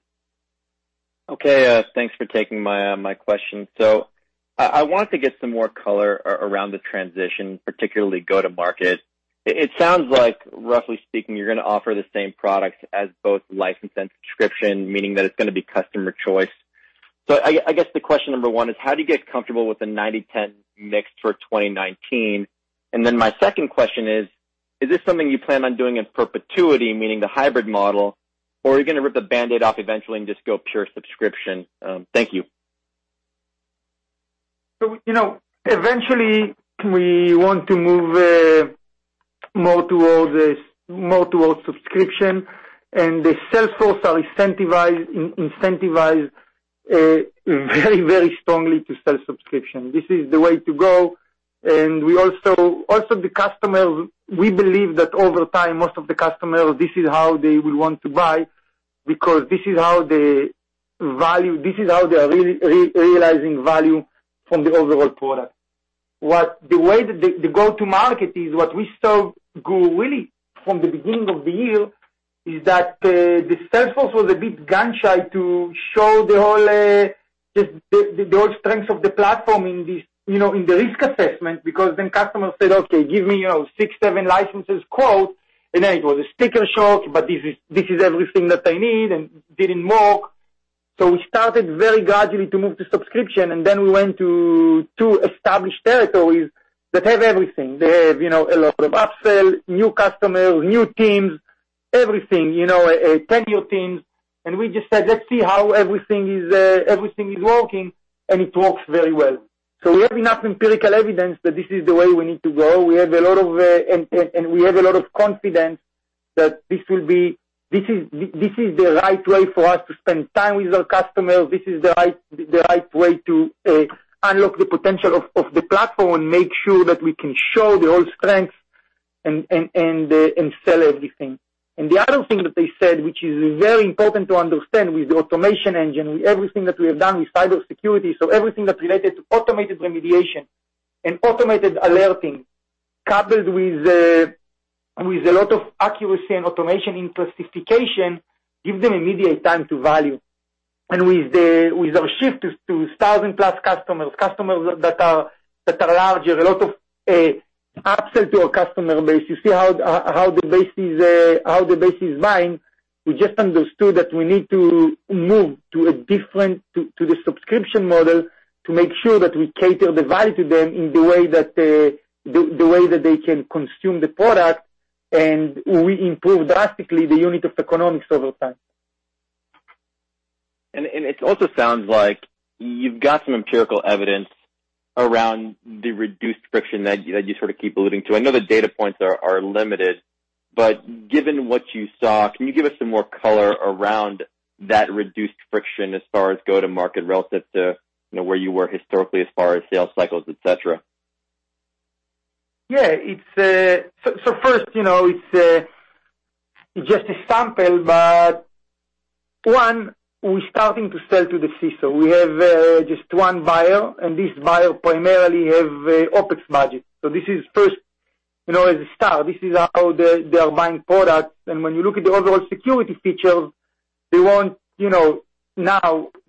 Okay, thanks for taking my question. I want to get some more color around the transition, particularly go-to market. It sounds like, roughly speaking, you're going to offer the same product as both license and subscription, meaning that it's going to be customer choice. I guess the question number one is, how do you get comfortable with the 90/10 mix for 2019? My second question is this something you plan on doing in perpetuity, meaning the hybrid model, or are you going to rip the Band-Aid off eventually and just go pure subscription? Thank you. Eventually we want to move more towards subscription, the sales force are incentivized very strongly to sell subscription. This is the way to go. Also, the customers, we believe that over time, most of the customers, this is how they will want to buy because this is how they are realizing value from the overall product. What the way that the go-to market is, what we saw grew really from the beginning of the year is that the sales force was a bit gun-shy to show the whole strength of the platform in the risk assessment, because then customers said, "Okay, give me six, seven licenses quote." Then it was a sticker shock, but this is everything that I need and didn't mock. We started very gradually to move to subscription, then we went to two established territories that have everything. They have a lot of upsell, new customers, new teams, everything, technical teams. We just said, "Let's see how everything is working," and it works very well. We have enough empirical evidence that this is the way we need to go. We have a lot of confidence that this is the right way for us to spend time with our customers. This is the right way to unlock the potential of the platform, make sure that we can show the whole strength and sell everything. The other thing that they said, which is very important to understand with the automation engine, with everything that we have done with cybersecurity, everything that's related to automated remediation and automated alerting, coupled with a lot of accuracy and automation in classification, give them immediate time to value. With our shift to 1,000+ customers that are larger, a lot of upsell to our customer base, you see how the base is buying. We just understood that we need to move to the subscription model to make sure that we cater the value to them in the way that they can consume the product, we improve drastically the unit of economics over time. It also sounds like you've got some empirical evidence around the reduced friction that you sort of keep alluding to. I know the data points are limited, given what you saw, can you give us some more color around that reduced friction as far as go-to-market relative to where you were historically as far as sales cycles, et cetera? Yeah. First, it's just a sample, one, we're starting to sell to the CISO. We have just one buyer, this buyer primarily have OpEx budget. This is first, as a start, this is how they are buying products. When you look at the overall security features, now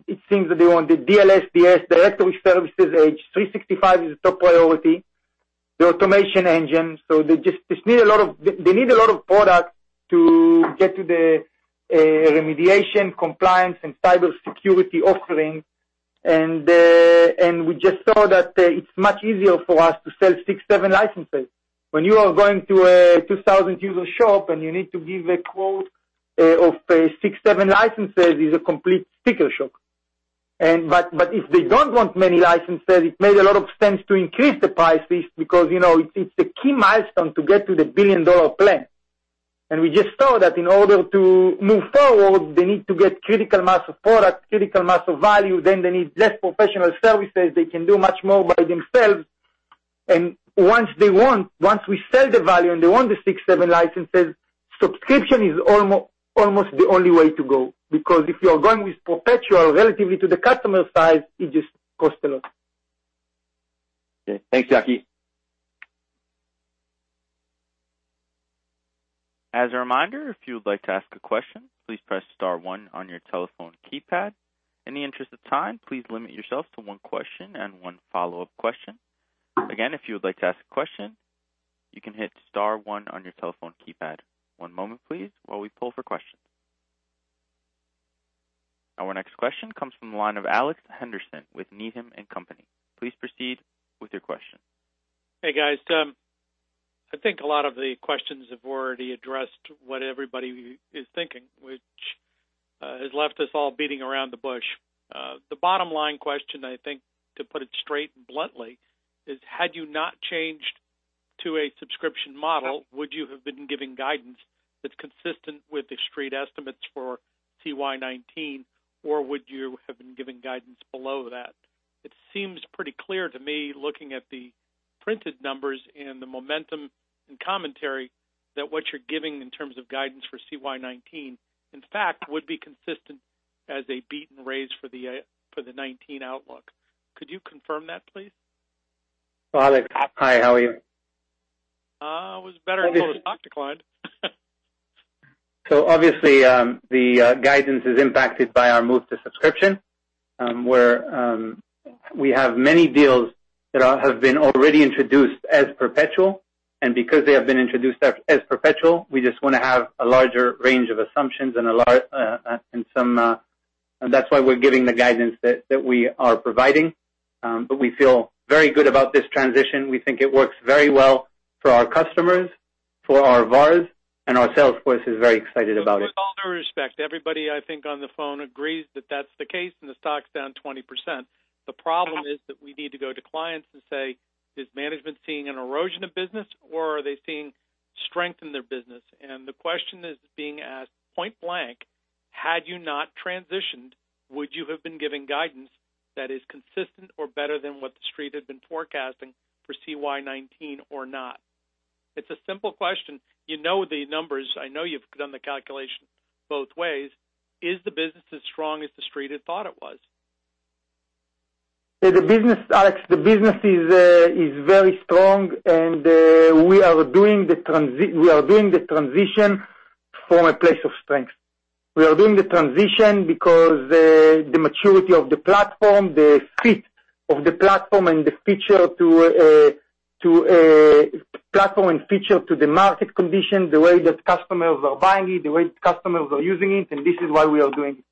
it seems that they want the DLS, DS, Directory Services, Edge 365 is a top priority, the automation engine. They need a lot of product to get to the remediation, compliance, and cybersecurity offering. We just saw that it's much easier for us to sell six, seven licenses. When you are going to a 2,000-user shop and you need to give a quote of six, seven licenses is a complete sticker shock. If they don't want many licenses, it made a lot of sense to increase the prices because, it's a key milestone to get to the billion-dollar plan. We just saw that in order to move forward, they need to get critical mass of product, critical mass of value, then they need less professional services. They can do much more by themselves. Once we sell the value and they want the six, seven licenses, subscription is almost the only way to go, because if you're going with perpetual relatively to the customer size, it just costs a lot. Okay. Thanks, Yaki. As a reminder, if you would like to ask a question, please press star one on your telephone keypad. In the interest of time, please limit yourself to one question and one follow-up question. Again, if you would like to ask a question, you can hit star one on your telephone keypad. One moment, please, while we poll for questions. Our next question comes from the line of Alex Henderson with Needham & Company. Please proceed with your question. Hey, guys. I think a lot of the questions have already addressed what everybody is thinking, which has left us all beating around the bush. The bottom line question, I think, to put it straight and bluntly, is had you not changed to a subscription model, would you have been giving guidance that's consistent with the Street estimates for CY 2019, or would you have been giving guidance below that? It seems pretty clear to me, looking at the printed numbers and the momentum and commentary, that what you're giving in terms of guidance for CY 2019, in fact, would be consistent as a beaten raise for the 2019 outlook. Could you confirm that, please? Alex, hi. How are you? I was better before the stock declined. Obviously, the guidance is impacted by our move to subscription, where we have many deals that have been already introduced as perpetual, and because they have been introduced as perpetual, we just want to have a larger range of assumptions. That's why we're giving the guidance that we are providing. We feel very good about this transition. We think it works very well for our customers, for our VARs, and our sales force is very excited about it. With all due respect, everybody I think on the phone agrees that that's the case, and the stock's down 20%. The problem is that we need to go to clients and say, "Is management seeing an erosion of business, or are they seeing strength in their business?" The question is being asked point blank, had you not transitioned, would you have been giving guidance that is consistent or better than what the Street had been forecasting for CY 2019 or not? It's a simple question. You know the numbers. I know you've done the calculation both ways. Is the business as strong as the Street had thought it was? Alex, the business is very strong. We are doing the transition from a place of strength. We are doing the transition because the maturity of the platform, the fit of the platform, the feature to platform and feature to the market condition, the way that customers are buying it, the way customers are using it. This is why we are doing it.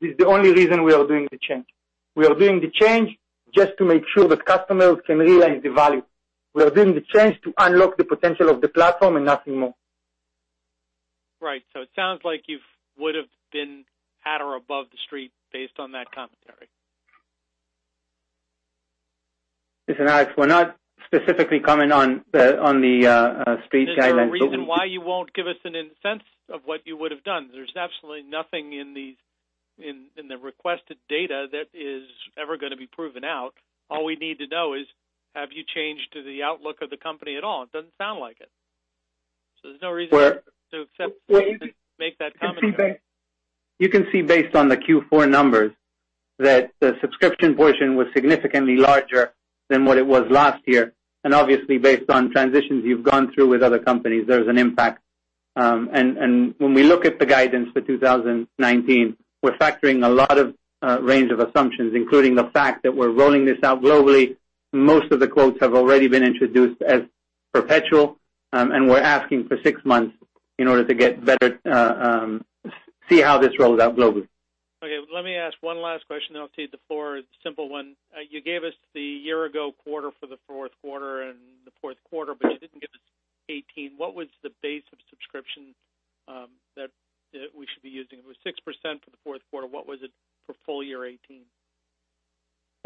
This is the only reason we are doing the change. We are doing the change just to make sure that customers can realize the value. We are doing the change to unlock the potential of the platform and nothing more. Right. It sounds like you would've been at or above the Street based on that commentary. Listen, Alex, we're not specifically commenting on the Street guidance. Is there a reason why you won't give us a sense of what you would've done? There's absolutely nothing in the requested data that is ever going to be proven out. All we need to know is have you changed the outlook of the company at all? It doesn't sound like it. There's no reason to. Well. Make that commentary. You can see based on the Q4 numbers that the subscription portion was significantly larger than what it was last year. Obviously, based on transitions you've gone through with other companies, there's an impact. When we look at the guidance for 2019, we're factoring a lot of range of assumptions, including the fact that we're rolling this out globally. Most of the quotes have already been introduced as perpetual, and we're asking for six months in order to see how this rolls out globally. Okay. Let me ask one last question, then I'll cede the floor. A simple one. You gave us the year-ago quarter for the Q4 and the Q4, but you didn't give us 2018. What was the base of subscription that we should be using? It was 6% for the Q4. What was it for full-year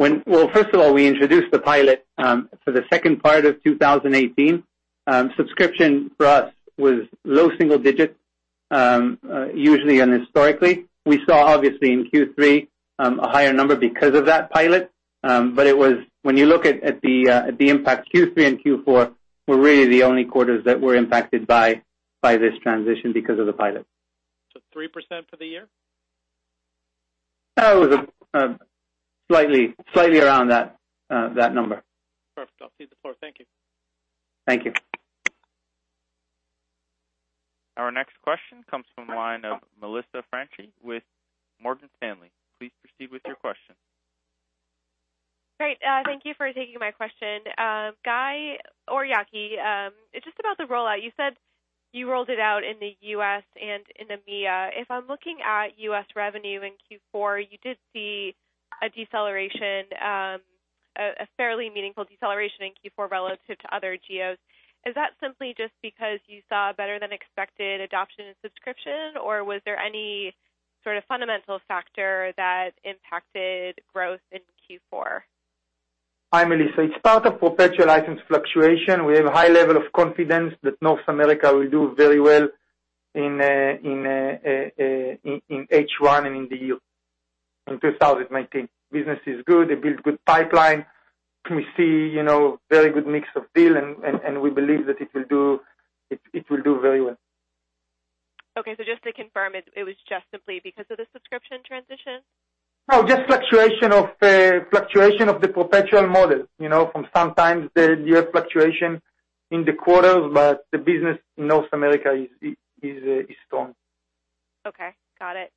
2018? Well, first of all, we introduced the pilot, for the second part of 2018. Subscription for us was low single-digits, usually and historically. We saw, obviously, in Q3, a higher number because of that pilot. When you look at the impact, Q3 and Q4 were really the only quarters that were impacted by this transition because of the pilot. 3% for the year? It was slightly around that number. Perfect. I'll cede the floor. Thank you. Thank you. Our next question comes from the line of Melissa Franchi with Morgan Stanley. Please proceed with your question. Great. Thank you for taking my question. Guy or Yaki, just about the rollout, you said you rolled it out in the U.S. and in EMEA. If I'm looking at U.S. revenue in Q4, you did see a fairly meaningful deceleration in Q4 relative to other geos. Is that simply just because you saw better than expected adoption in subscription, or was there any sort of fundamental factor that impacted growth in Q4? Hi, Melissa. It's part of perpetual license fluctuation. We have a high level of confidence that North America will do very well in H1 and in the year, in 2019. Business is good. They build good pipeline. We see very good mix of deal, we believe that it will do very well. Okay. Just to confirm, it was just simply because of the subscription transition? No, just fluctuation of the perpetual model. From sometimes, you have fluctuation in the quarters, but the business in North America is strong. Okay. Got it.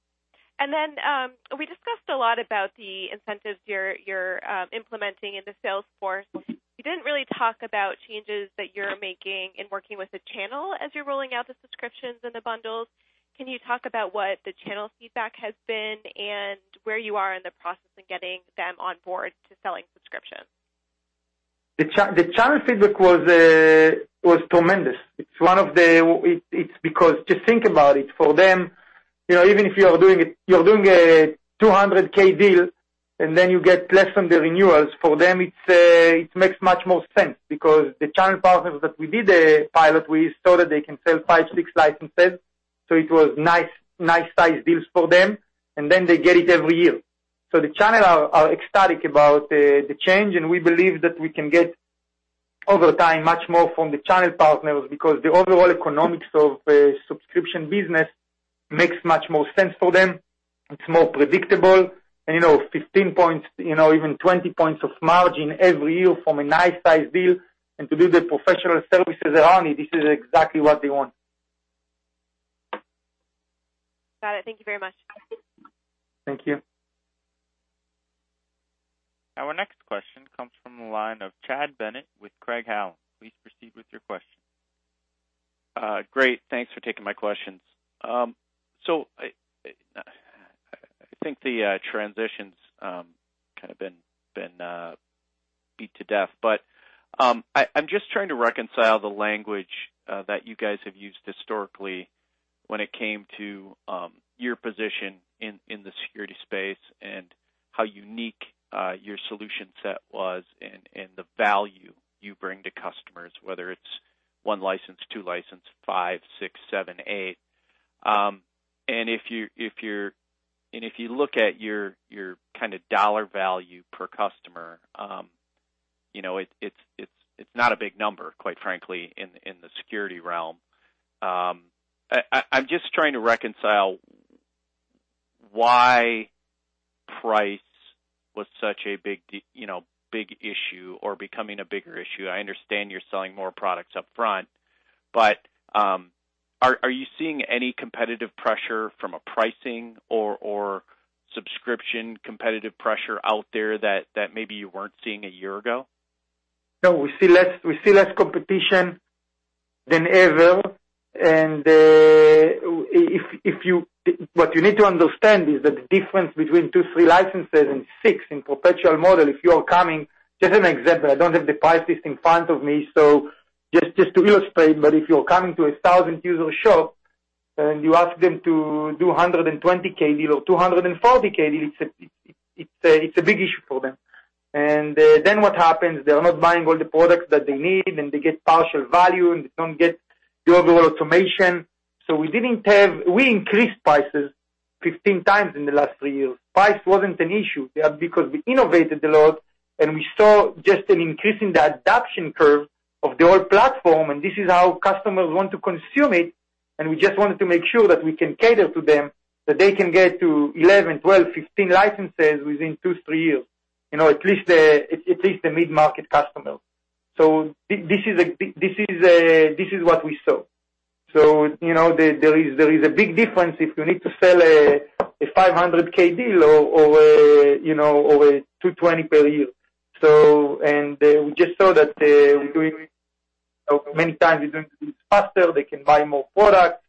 We discussed a lot about the incentives you're implementing in the sales force. You didn't really talk about changes that you're making in working with the channel as you're rolling out the subscriptions and the bundles. Can you talk about what the channel feedback has been and where you are in the process of getting them on board to selling subscriptions? The channel feedback was tremendous. Just think about it. For them, even if you're doing a $200,000 deal, and then you get less on the renewals, for them, it makes much more sense because the channel partners that we did the pilot with, so that they can sell five, six licenses. It was nice-sized deals for them, and then they get it every year. The channel are ecstatic about the change, and we believe that we can get, over time, much more from the channel partners because the overall economics of subscription business makes much more sense for them. It's more predictable and 15 points, even 20 points of margin every year from a nice-sized deal, and to do the professional services around it, this is exactly what they want. Got it. Thank you very much. Thank you. Our next question comes from the line of Chad Bennett with Craig-Hallum. Please proceed with your question. Great. Thanks for taking my questions. I think the transition's kind of been beat to death, I'm just trying to reconcile the language that you guys have used historically when it came to your position in the security space and how unique your solution set was and the value you bring to customers, whether it's one license, two license, five, six, seven, eight. And if you look at your kind of dollar value per customer, it's not a big number, quite frankly, in the security realm. I'm just trying to reconcile why price was such a big issue or becoming a bigger issue. I understand you're selling more products upfront, but are you seeing any competitive pressure from a pricing or subscription competitive pressure out there that maybe you weren't seeing a year ago? No, we see less competition than ever. What you need to understand is that the difference between two, three licenses and six in perpetual model, if you are coming, just an example, I don't have the price list in front of me, so just to illustrate, but if you're coming to a 1,000 user shop and you ask them to do 120,000 deal or 240,000 deal, it's a big issue for them. What happens, they are not buying all the products that they need, and they get partial value, and they don't get the overall automation. We increased prices 15x in the last three years. Price wasn't an issue because we innovated a lot and we saw just an increase in the adoption curve of the old platform, and this is how customers want to consume it, and we just wanted to make sure that we can cater to them, that they can get to 11, 12, 15 licenses within two, three years. At least the mid-market customer. This is what we saw. There is a big difference if you need to sell a 500,000 deal or a $220 per year. We just saw that we're doing many times, we're doing it faster, they can buy more products,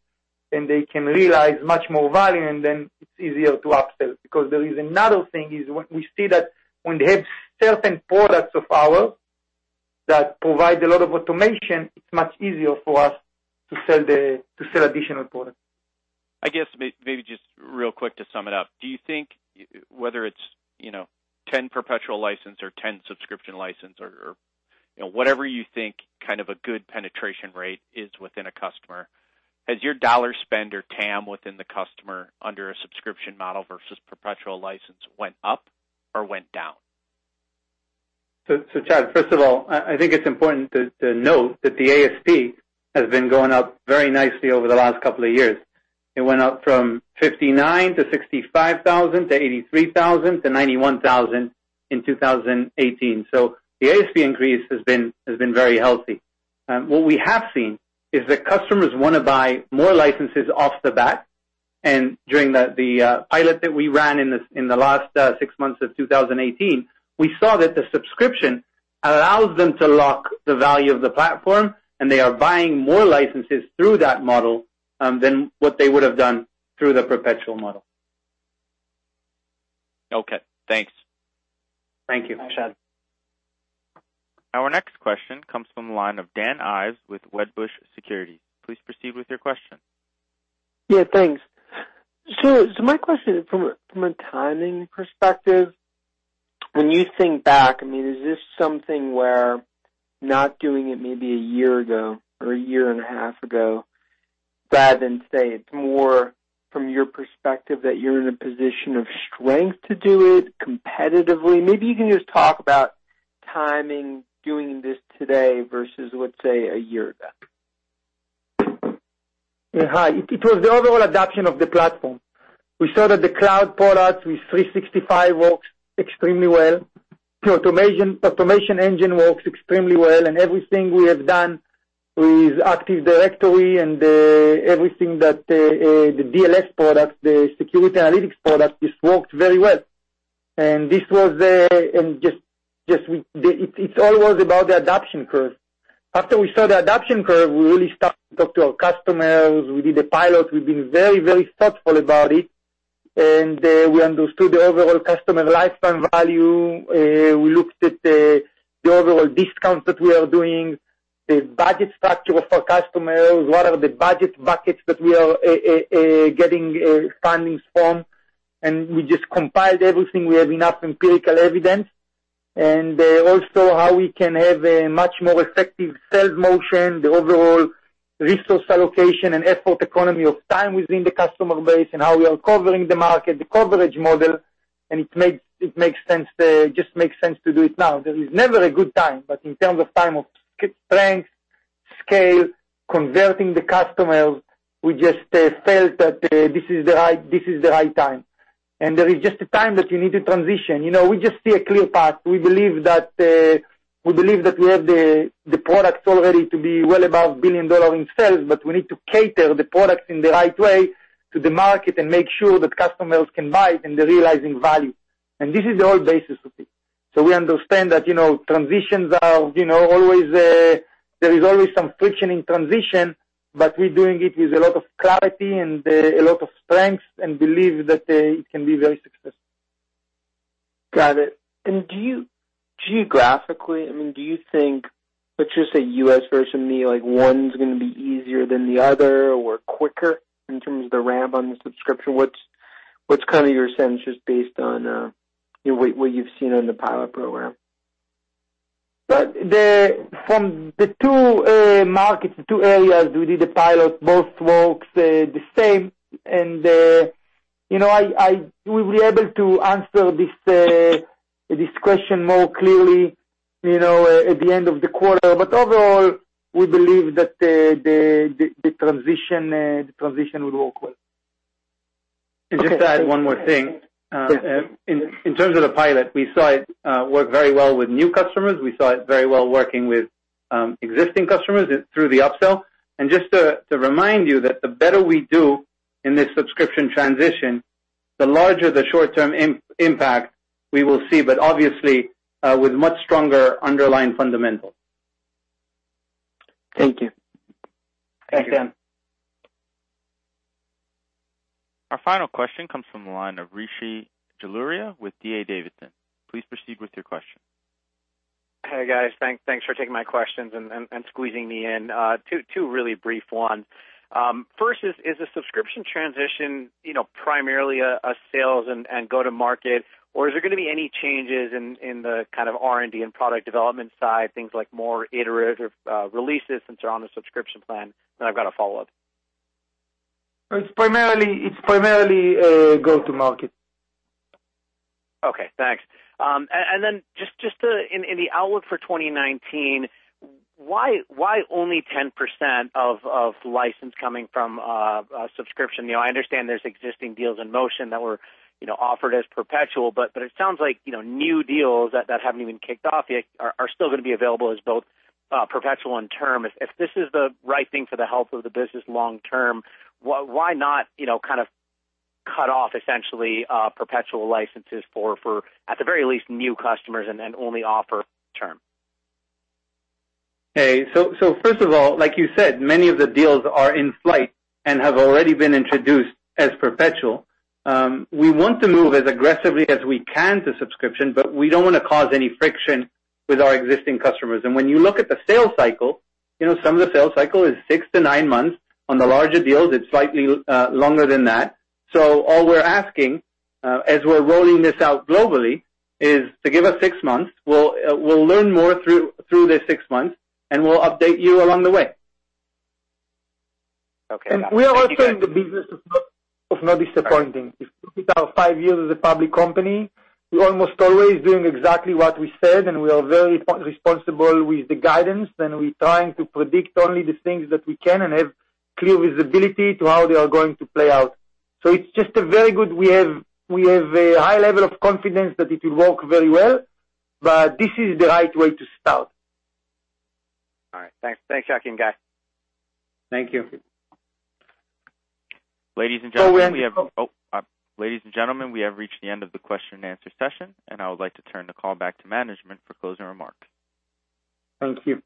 and they can realize much more value, and then it's easier to upsell because there is another thing is when we see that when they have certain products of ours that provide a lot of automation, it's much easier for us to sell additional products. I guess maybe just real quick to sum it up. Do you think whether it's 10 perpetual license or 10 subscription license or whatever you think kind of a good penetration rate is within a customer, has your dollar spend or TAM within the customer under a subscription model versus perpetual license went up or went down? Chad, first of all, I think it's important to note that the ASP has been going up very nicely over the last couple of years. It went up from $59,000-$65,000-$83,000-$91,000 in 2018. The ASP increase has been very healthy. What we have seen is that customers want to buy more licenses off the bat, and during the pilot that we ran in the last six months of 2018, we saw that the subscription allows them to lock the value of the platform, and they are buying more licenses through that model than what they would have done through the perpetual model. Okay, thanks. Thank you, Chad. Our next question comes from the line of Dan Ives with Wedbush Securities. Please proceed with your question. Yeah, thanks. My question is from a timing perspective, when you think back, I mean, is this something where not doing it maybe a year-ago or a year and a half ago, rather than say it's more from your perspective that you're in a position of strength to do it competitively? Maybe you can just talk about timing doing this today versus, let's say, a year-ago. Yeah. Hi. It was the overall adoption of the platform. We saw that the cloud products with Microsoft 365 works extremely well. The automation engine works extremely well. Everything we have done with Active Directory and everything that the DLS products, the security analytics products, this worked very well. It's always about the adoption curve. After we saw the adoption curve, we really start to talk to our customers. We did a pilot. We've been very, very thoughtful about it, and we understood the overall customer lifespan value. We looked at the overall discounts that we are doing, the budget structure of our customers, what are the budget buckets that we are getting fundings from, and we just compiled everything. We have enough empirical evidence. Also how we can have a much more effective sales motion, the overall resource allocation and effort economy of time within the customer base, and how we are covering the market, the coverage model, it makes sense to do it now. There is never a good time, but in terms of time of strength, scale, converting the customers, we just felt that this is the right time. There is just a time that you need to transition. We just see a clear path. We believe that we have the products already to be well above $1 billion in sales, but we need to cater the products in the right way to the market and make sure that customers can buy it and they're realizing value. This is the whole basis of it. We understand that transitions are, there is always some friction in transition, but we're doing it with a lot of clarity and a lot of strength and believe that it can be very successful. Geographically, I mean, do you think, let's just say U.S. versus ME, like one's going to be easier than the other or quicker in terms of the ramp on the subscription? What's kind of your sense just based on what you've seen on the pilot program? From the two markets, the two areas we did the pilot, both works the same, and we'll be able to answer this question more clearly at the end of the quarter. Overall, we believe that the transition would work well. Just to add one more thing. Yes. In terms of the pilot, we saw it work very well with new customers. We saw it very well working with existing customers through the upsell. Just to remind you that the better we do in this subscription transition, the larger the short-term impact we will see, but obviously, with much stronger underlying fundamentals. Thank you. Thanks, Dan. Our final question comes from the line of Rishi Jaluria with D.A. Davidson. Please proceed with your question. Hey, guys. Thanks for taking my questions and squeezing me in. two really brief one. First is the subscription transition primarily a sales and go-to-market, or is there going to be any changes in the kind of R&D and product development side, things like more iterative releases since they're on the subscription plan? I've got a follow-up. It's primarily a go-to-market. Okay, thanks. Just in the outlook for 2019, why only 10% of license coming from a subscription? I understand there's existing deals in motion that were offered as perpetual, but it sounds like new deals that haven't even kicked off yet are still going to be available as both perpetual and term. If this is the right thing for the health of the business long-term, why not kind of cut off essentially perpetual licenses for, at the very least, new customers and then only offer term? First of all, like you said, many of the deals are in flight and have already been introduced as perpetual. We want to move as aggressively as we can to subscription, but we don't want to cause any friction with our existing customers. When you look at the sales cycle, some of the sales cycle is six-nine months. On the larger deals, it's slightly longer than that. All we're asking, as we're rolling this out globally, is to give us six months. We'll learn more through this six months, we'll update you along the way. Okay. We are also in the business of not disappointing. In our five years as a public company, we're almost always doing exactly what we said, we are very responsible with the guidance, we're trying to predict only the things that we can and have clear visibility to how they are going to play out. We have a high level of confidence that it will work very well, but this is the right way to start. All right. Thanks, Yaki and Guy. Thank you. Ladies and gentlemen, we have. we. Ladies and gentlemen, we have reached the end of the question-and-answer session. I would like to turn the call back to management for closing remarks. Thank you.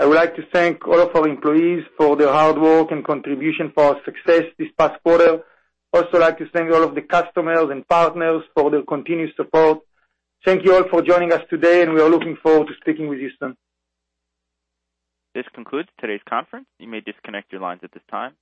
I would like to thank all of our employees for their hard work and contribution for our success this past quarter. Also like to thank all of the customers and partners for their continued support. Thank you all for joining us today. We are looking forward to speaking with you soon. This concludes today's conference. You may disconnect your lines at this time.